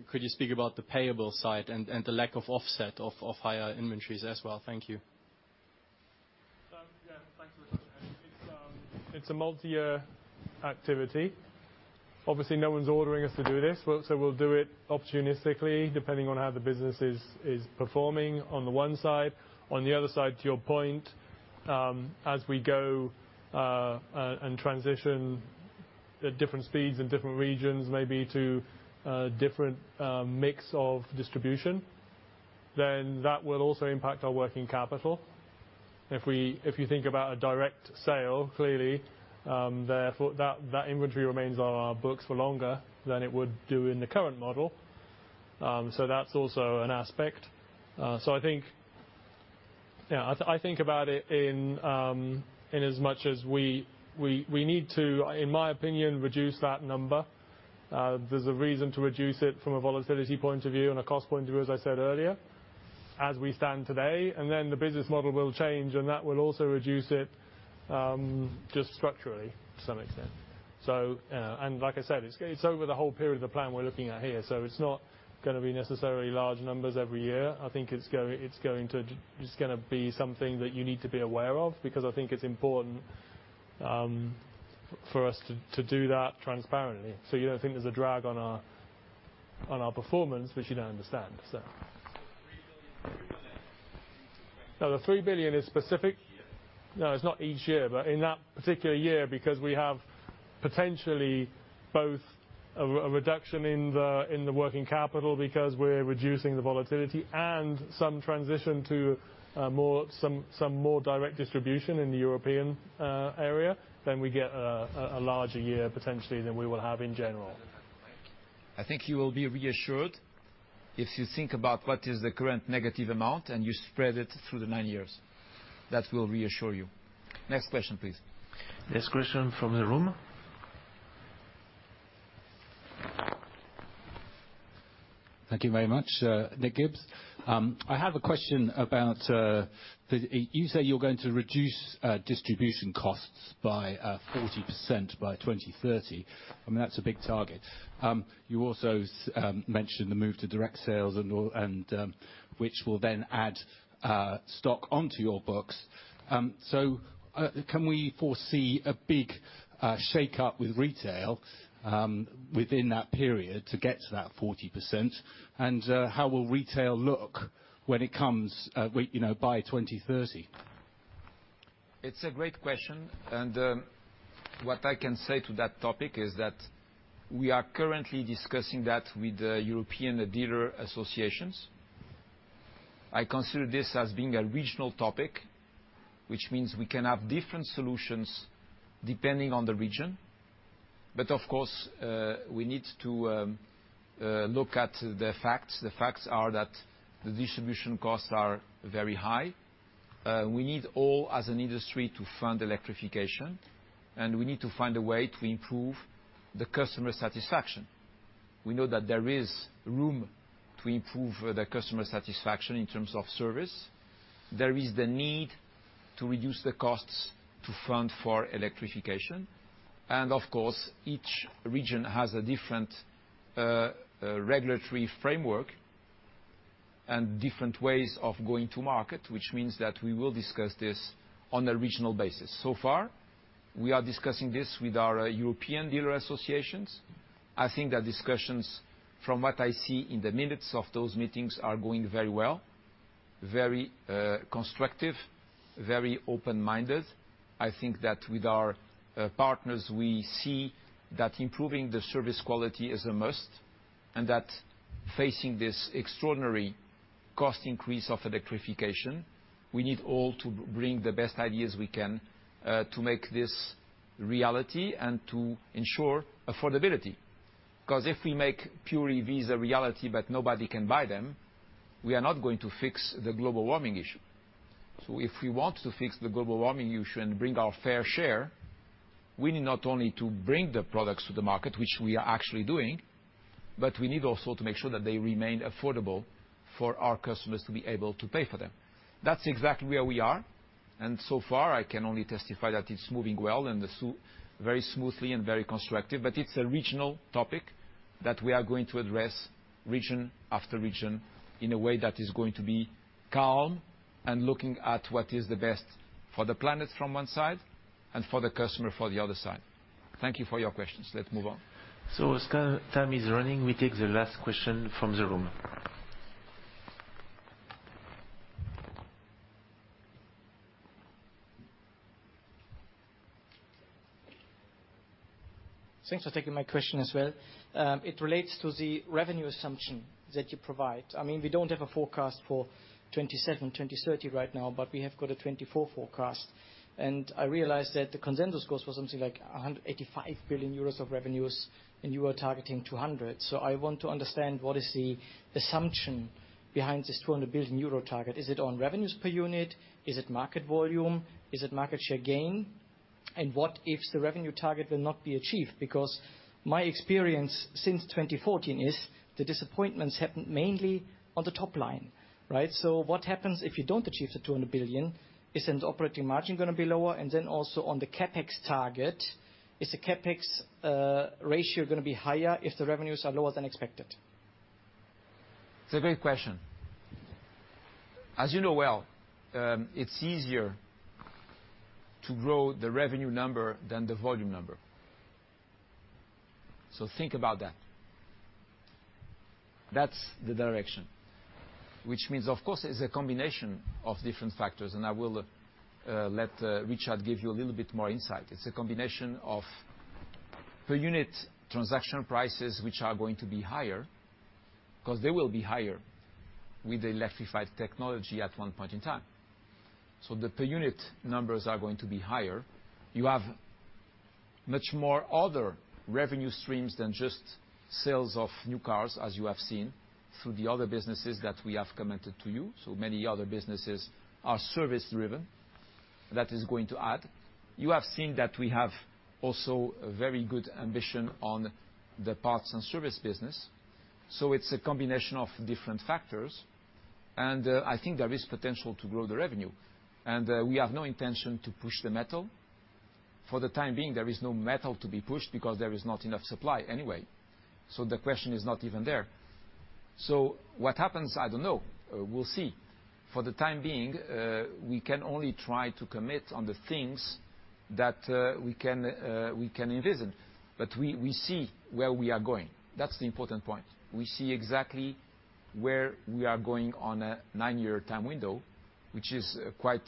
Could you speak about the payable side and the lack of offset of higher inventories as well? Thank you. Yeah. Thanks, Richard. It's a multi-year activity. Obviously, no one's ordering us to do this so we'll do it opportunistically depending on how the business is performing on the one side. On the other side, to your point, as we go and transition at different speeds in different regions maybe to a different mix of distribution, then that will also impact our working capital. If you think about a direct sale, clearly, therefore, that inventory remains on our books for longer than it would do in the current model. So that's also an aspect. I think about it in as much as we need to, in my opinion, reduce that number. There's a reason to reduce it from a volatility point of view and a cost point of view, as I said earlier, as we stand today. The business model will change, and that will also reduce it, just structurally to some extent. Like I said, it's over the whole period of the plan we're looking at here, so it's not gonna be necessarily large numbers every year. I think it's going to just gonna be something that you need to be aware of because I think it's important for us to do that transparently so you don't think there's a drag on our performance which you don't understand. EUR 3 billion per year? No, the 3 billion is specific. Each year. No, it's not each year, but in that particular year, because we have potentially both a reduction in the working capital because we're reducing the volatility and some transition to some more direct distribution in the European area, then we get a larger year potentially than we will have in general. Thank you. I think you will be reassured if you think about what is the current negative amount and you spread it through the nine years. That will reassure you. Next question, please. Next question from the room. Thank you very much. Nick Gibbs. I have a question about. You say you're going to reduce distribution costs by 40% by 2030. I mean, that's a big target. You also mentioned the move to direct sales and which will then add stock onto your books. So, can we foresee a big shakeup with retail within that period to get to that 40%? How will retail look when it comes, you know, by 2030? It's a great question. What I can say to that topic is that we are currently discussing that with the European dealer associations. I consider this as being a regional topic, which means we can have different solutions depending on the region. Of course, we need to look at the facts. The facts are that the distribution costs are very high. We need all as an industry to fund electrification, and we need to find a way to improve the customer satisfaction. We know that there is room to improve the customer satisfaction in terms of service. There is the need to reduce the costs to fund for electrification. Of course, each region has a different regulatory framework and different ways of going to market, which means that we will discuss this on a regional basis. So far, we are discussing this with our European dealer associations. I think the discussions, from what I see in the minutes of those meetings, are going very well, very constructive, very open-minded. I think that with our partners, we see that improving the service quality is a must, and that facing this extraordinary cost increase of electrification, we need all to bring the best ideas we can to make this reality and to ensure affordability. 'Cause if we make pure EVs a reality but nobody can buy them, we are not going to fix the global warming issue. If we want to fix the global warming issue and bring our fair share, we need not only to bring the products to the market, which we are actually doing, but we need also to make sure that they remain affordable for our customers to be able to pay for them. That's exactly where we are, and so far, I can only testify that it's moving well and very smoothly and very constructive. It's a regional topic that we are going to address region after region in a way that is going to be calm and looking at what is the best for the planet from one side and for the customer for the other side. Thank you for your questions. Let's move on. As time is running, we take the last question from the room. Thanks for taking my question as well. It relates to the revenue assumption that you provide. I mean, we don't have a forecast for 2027, 2030 right now, but we have got a 2024 forecast. I realize that the consensus goes for something like 185 billion euros of revenues, and you are targeting 200. I want to understand what is the assumption behind this 200 billion euro target. Is it on revenues per unit? Is it market volume? Is it market share gain? What if the revenue target will not be achieved? Because my experience since 2014 is the disappointments happened mainly on the top line, right? What happens if you don't achieve the 200 billion? Is then the operating margin gonna be lower? On the CapEx target, is the CapEx ratio gonna be higher if the revenues are lower than expected? It's a great question. As you know well, it's easier to grow the revenue number than the volume number. Think about that. That's the direction. Which means, of course, it's a combination of different factors, and I will let Richard give you a little bit more insight. It's a combination of per unit transaction prices which are going to be higher, 'cause they will be higher with the electrified technology at one point in time. The per unit numbers are going to be higher. You have much more other revenue streams than just sales of new cars, as you have seen through the other businesses that we have commented to you. Many other businesses are service driven. That is going to add. You have seen that we have also a very good ambition on the parts and service business. It's a combination of different factors, and I think there is potential to grow the revenue. We have no intention to push the metal. For the time being, there is no metal to be pushed because there is not enough supply anyway, so the question is not even there. What happens, I don't know. We'll see. For the time being, we can only try to commit on the things that we can envision. We see where we are going. That's the important point. We see exactly where we are going on a nine-year time window, which is quite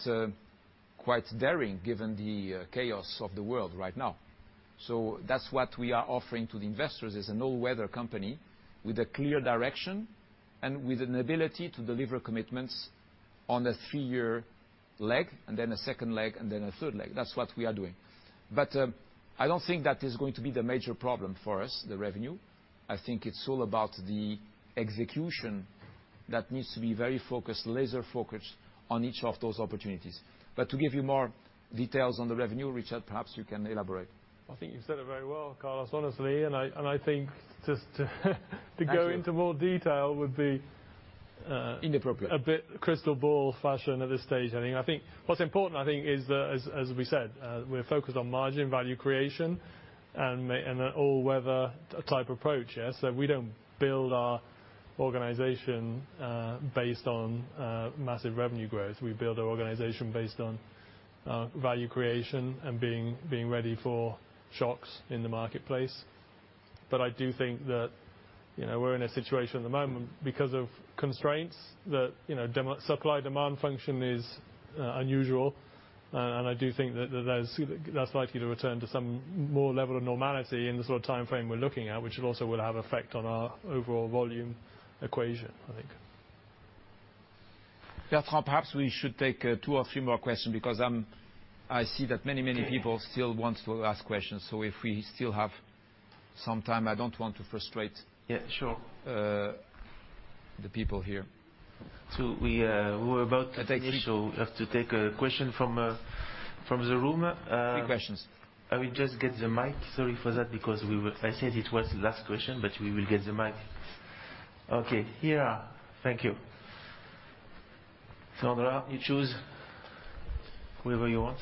daring given the chaos of the world right now. That's what we are offering to the investors, is an all-weather company with a clear direction and with an ability to deliver commitments on a three-year leg, and then a second leg, and then a third leg. That's what we are doing. I don't think that is going to be the major problem for us, the revenue. I think it's all about the execution that needs to be very focused, laser-focused, on each of those opportunities. To give you more details on the revenue, Richard, perhaps you can elaborate. I think you've said it very well, Carlos, honestly. I think just to go into more detail would be a bit crystal ball fashion at this stage, I think. I think what's important is that, as we said, we're focused on margin, value creation, and an all-weather type approach. Yeah. We don't build our organization based on massive revenue growth. We build our organization based on value creation and being ready for shocks in the marketplace. I do think that, you know, we're in a situation at the moment because of constraints that, you know, demand-supply function is unusual. I do think that that's likely to return to some more level of normality in the sort of timeframe we're looking at, which also will have effect on our overall volume equation, I think. Bertrand, perhaps we should take two or three more questions because I see that many, many people still want to ask questions. If we still have some time, I don't want to frustrate. Yeah, sure. The people here. We're about to finish. We have to take a question from the room. Three questions. I will just get the mic. Sorry for that. I said it was the last question, but we will get the mic. Okay. Here. Thank you. Sandra, you choose whoever you want.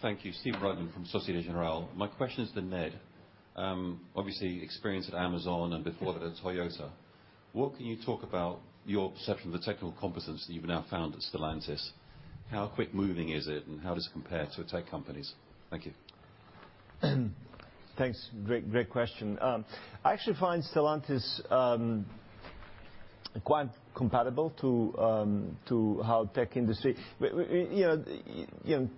Thank you. Stephen Reitman from Société Générale. My question is to Ned. Obviously, your experience at Amazon and before that at Toyota. What can you talk about your perception of the technical competence that you've now found at Stellantis? How quick-moving is it, and how does it compare to tech companies? Thank you. Thanks. Great question. I actually find Stellantis quite compatible to how tech industry. You know,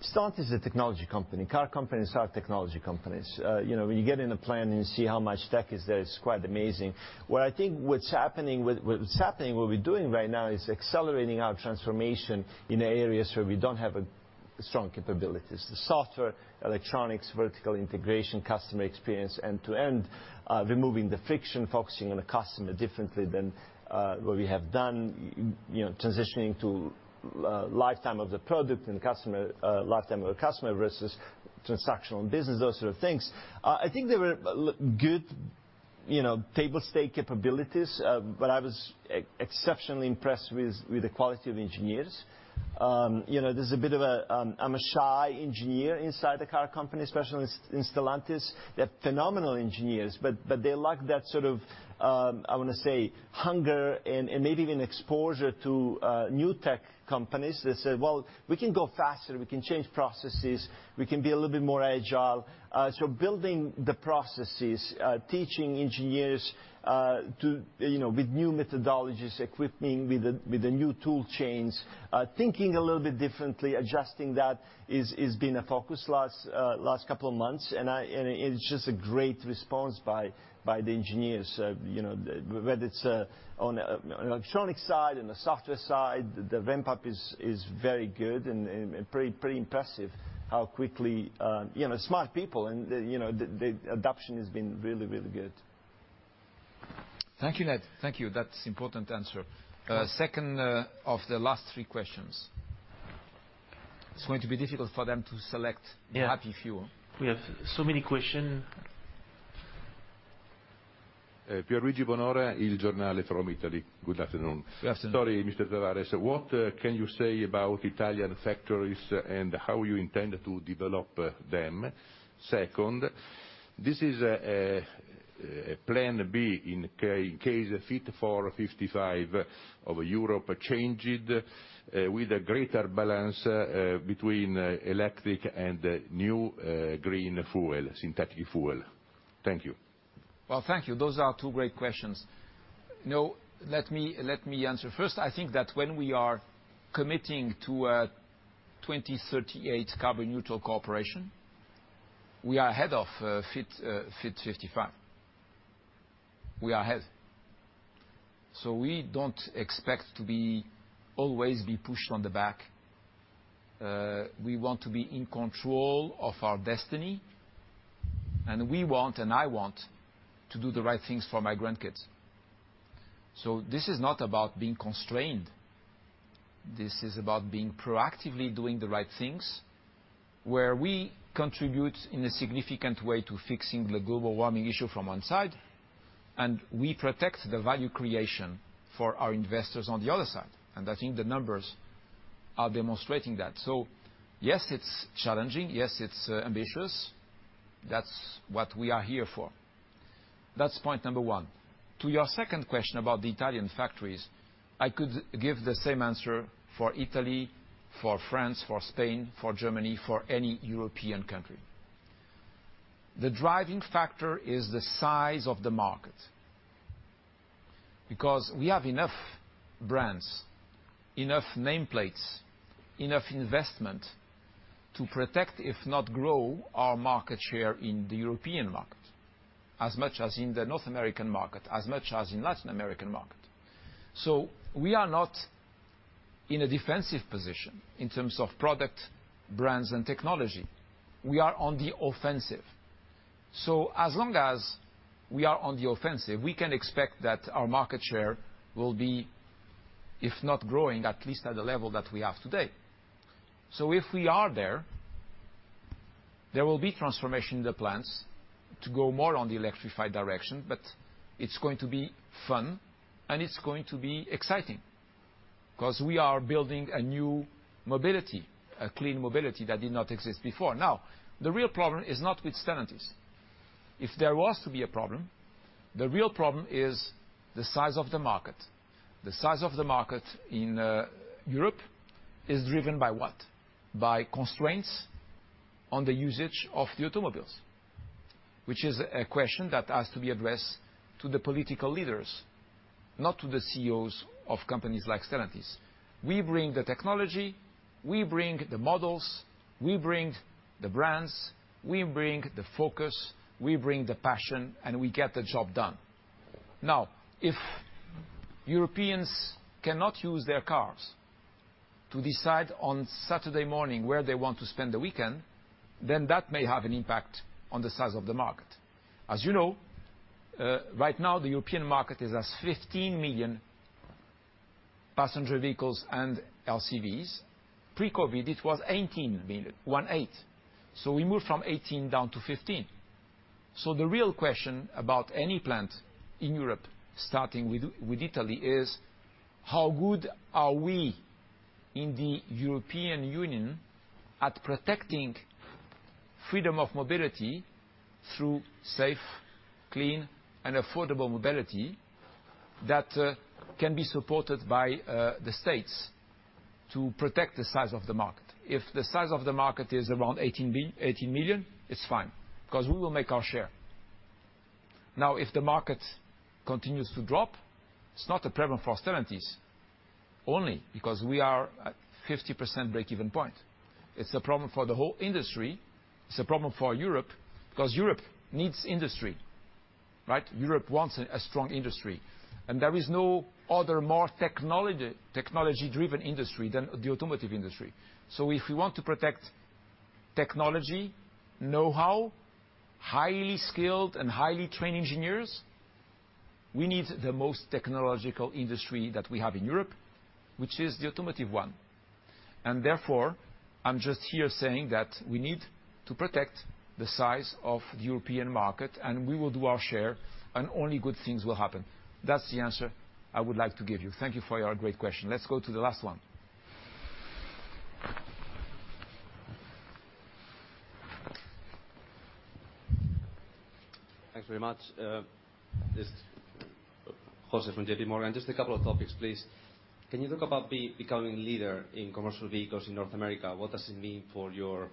Stellantis is a technology company. Car companies are technology companies. You know, when you get in a plant and you see how much tech is there, it's quite amazing. What we're doing right now is accelerating our transformation in areas where we don't have strong capabilities. The software, electronics, vertical integration, customer experience, end-to-end, removing the friction, focusing on the customer differently than what we have done, you know, transitioning to lifetime of the product and customer, lifetime of the customer versus transactional and business, those sort of things. I think there were good, you know, table stakes capabilities, but I was exceptionally impressed with the quality of engineers. You know, there's a bit of a shy engineer inside the car company, especially in Stellantis. They're phenomenal engineers, but they lack that sort of, I wanna say, hunger and maybe even exposure to new tech companies that say, "Well, we can go faster. We can change processes. We can be a little bit more agile." Building the processes, teaching engineers to, you know, with new methodologies, equipping with the new tool chains, thinking a little bit differently, adjusting that is been a focus last couple of months, and it's just a great response by the engineers. You know, whether it's on electronic side, in the software side, the ramp-up is very good and pretty impressive how quickly. You know, smart people and, you know, the adoption has been really good. Thank you, Ned. Thank you. That's important answer. Second, of the last three questions. It's going to be difficult for them to select Happy few. We have so many questions. Pierluigi Bonora, il Giornale from Italy. Good afternoon. Good afternoon. Sorry, Mr. Tavares. What can you say about Italian factories and how you intend to develop them? Second, this is a plan B in case Fit for 55 of Europe changed, with a greater balance between electric and new green fuel, synthetic fuel. Thank you. Well, thank you. Those are two great questions. You know, let me answer. First, I think that when we are committing to a 2038 carbon neutral corporation, we are ahead of Fit for 55. We are ahead. We don't expect to always be pushed on the back. We want to be in control of our destiny, and we want and I want to do the right things for my grandkids. This is not about being constrained. This is about proactively doing the right things where we contribute in a significant way to fixing the global warming issue from one side, and we protect the value creation for our investors on the other side. I think the numbers are demonstrating that. Yes, it's challenging. Yes, it's ambitious. That's what we are here for. That's point number one. To your second question about the Italian factories, I could give the same answer for Italy, for France, for Spain, for Germany, for any European country. The driving factor is the size of the market, because we have enough brands, enough nameplates, enough investment to protect, if not grow, our market share in the European market as much as in the North American market, as much as in the Latin American market. We are not in a defensive position in terms of product, brands, and technology. We are on the offensive. As long as we are on the offensive, we can expect that our market share will be, if not growing, at least at the level that we have today. If we are there will be transformation in the plans to go more on the electrified direction, but it's going to be fun and it's going to be exciting because we are building a new mobility, a clean mobility that did not exist before. Now, the real problem is not with Stellantis. If there was to be a problem, the real problem is the size of the market. The size of the market in Europe is driven by what? By constraints on the usage of the automobiles, which is a question that has to be addressed to the political leaders, not to the CEOs of companies like Stellantis. We bring the technology, we bring the models, we bring the brands, we bring the focus, we bring the passion, and we get the job done. Now, if Europeans cannot use their cars to decide on Saturday morning where they want to spend the weekend, then that may have an impact on the size of the market. As you know, right now the European market is at 15 million passenger vehicles and LCVs. Pre-COVID, it was 18 million. So we moved from 18 down to 15. So the real question about any plant in Europe, starting with Italy, is how good are we in the European Union at protecting freedom of mobility through safe, clean, and affordable mobility that can be supported by the states to protect the size of the market. If the size of the market is around 18 million, it's fine, 'cause we will make our share. Now, if the market continues to drop, it's not a problem for Stellantis only because we are at 50% break-even point. It's a problem for the whole industry. It's a problem for Europe because Europe needs industry, right? Europe wants a strong industry, and there is no other more technology-driven industry than the automotive industry. So if we want to protect technology, knowhow, highly skilled and highly trained engineers, we need the most technological industry that we have in Europe, which is the automotive one. Therefore, I'm just here saying that we need to protect the size of the European market, and we will do our share, and only good things will happen. That's the answer I would like to give you. Thank you for your great question. Let's go to the last one. Thanks very much. José from JPMorgan. Just a couple of topics, please. Can you talk about becoming leader in commercial vehicles in North America? What does it mean for your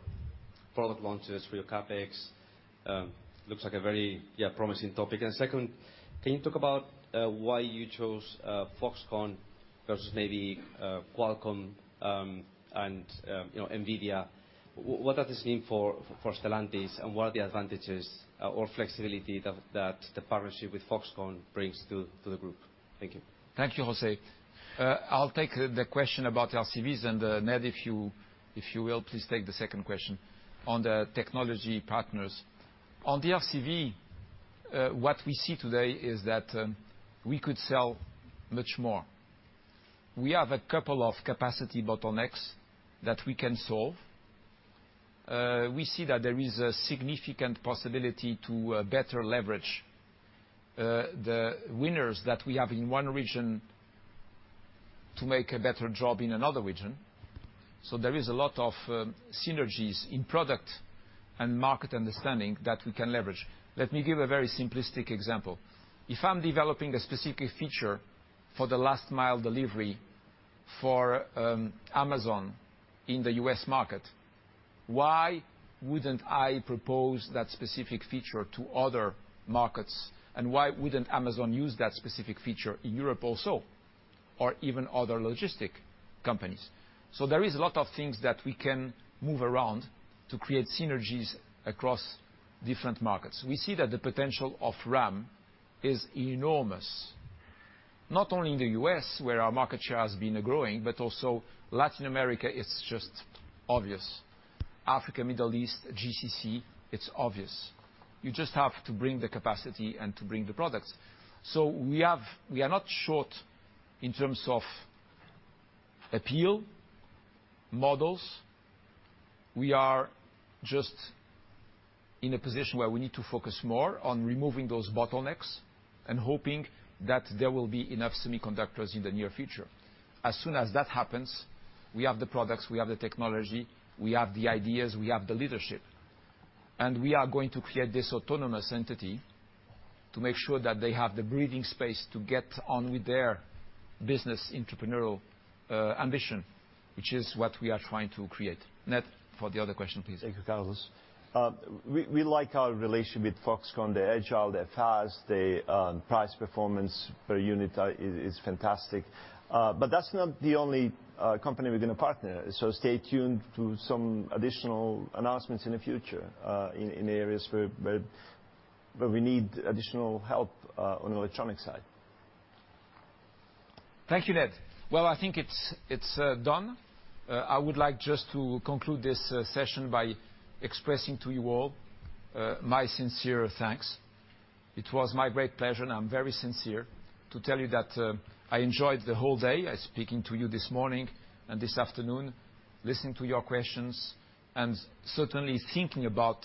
product launches, for your CapEx? Looks like a very promising topic. Second, can you talk about why you chose Foxconn versus maybe Qualcomm, and you know, NVIDIA? What does this mean for Stellantis, and what are the advantages or flexibility that the partnership with Foxconn brings to the group? Thank you. Thank you, José. I'll take the question about LCVs, and Ned, if you will, please take the second question on the technology partners. On the LCV, what we see today is that we could sell much more. We have a couple of capacity bottlenecks that we can solve. We see that there is a significant possibility to better leverage the winners that we have in one region to make a better job in another region. There is a lot of synergies in product and market understanding that we can leverage. Let me give a very simplistic example. If I'm developing a specific feature for the last mile delivery for Amazon in the U.S. market, why wouldn't I propose that specific feature to other markets? Why wouldn't Amazon use that specific feature in Europe also, or even other logistic companies? There is a lot of things that we can move around to create synergies across different markets. We see that the potential of Ram is enormous, not only in the U.S. where our market share has been growing, but also Latin America, it's just obvious. Africa, Middle East, GCC, it's obvious. You just have to bring the capacity and to bring the products. We are not short in terms of appeal, models. We are just in a position where we need to focus more on removing those bottlenecks and hoping that there will be enough semiconductors in the near future. As soon as that happens, we have the products, we have the technology, we have the ideas, we have the leadership. We are going to create this autonomous entity to make sure that they have the breathing space to get on with their business entrepreneurial ambition, which is what we are trying to create. Ned, for the other question, please. Thank you, Carlos. We like our relationship with Foxconn. They're agile, they're fast. The price performance per unit is fantastic. But that's not the only company we're gonna partner. Stay tuned to some additional announcements in the future, in areas where we need additional help, on electronic side. Thank you, Ned. Well, I think it's done. I would like just to conclude this session by expressing to you all my sincere thanks. It was my great pleasure, and I'm very sincere to tell you that I enjoyed the whole day speaking to you this morning and this afternoon, listening to your questions, and certainly thinking about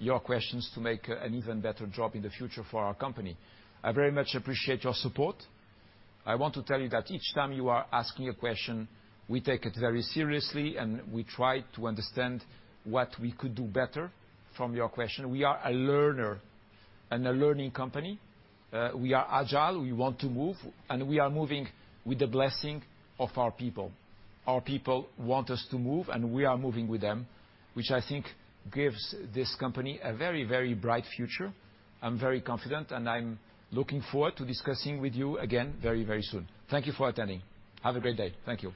your questions to make an even better job in the future for our company. I very much appreciate your support. I want to tell you that each time you are asking a question, we take it very seriously, and we try to understand what we could do better from your question. We are a learner and a learning company. We are agile, we want to move, and we are moving with the blessing of our people. Our people want us to move, and we are moving with them, which I think gives this company a very, very bright future. I'm very confident, and I'm looking forward to discussing with you again very, very soon. Thank you for attending. Have a great day. Thank you.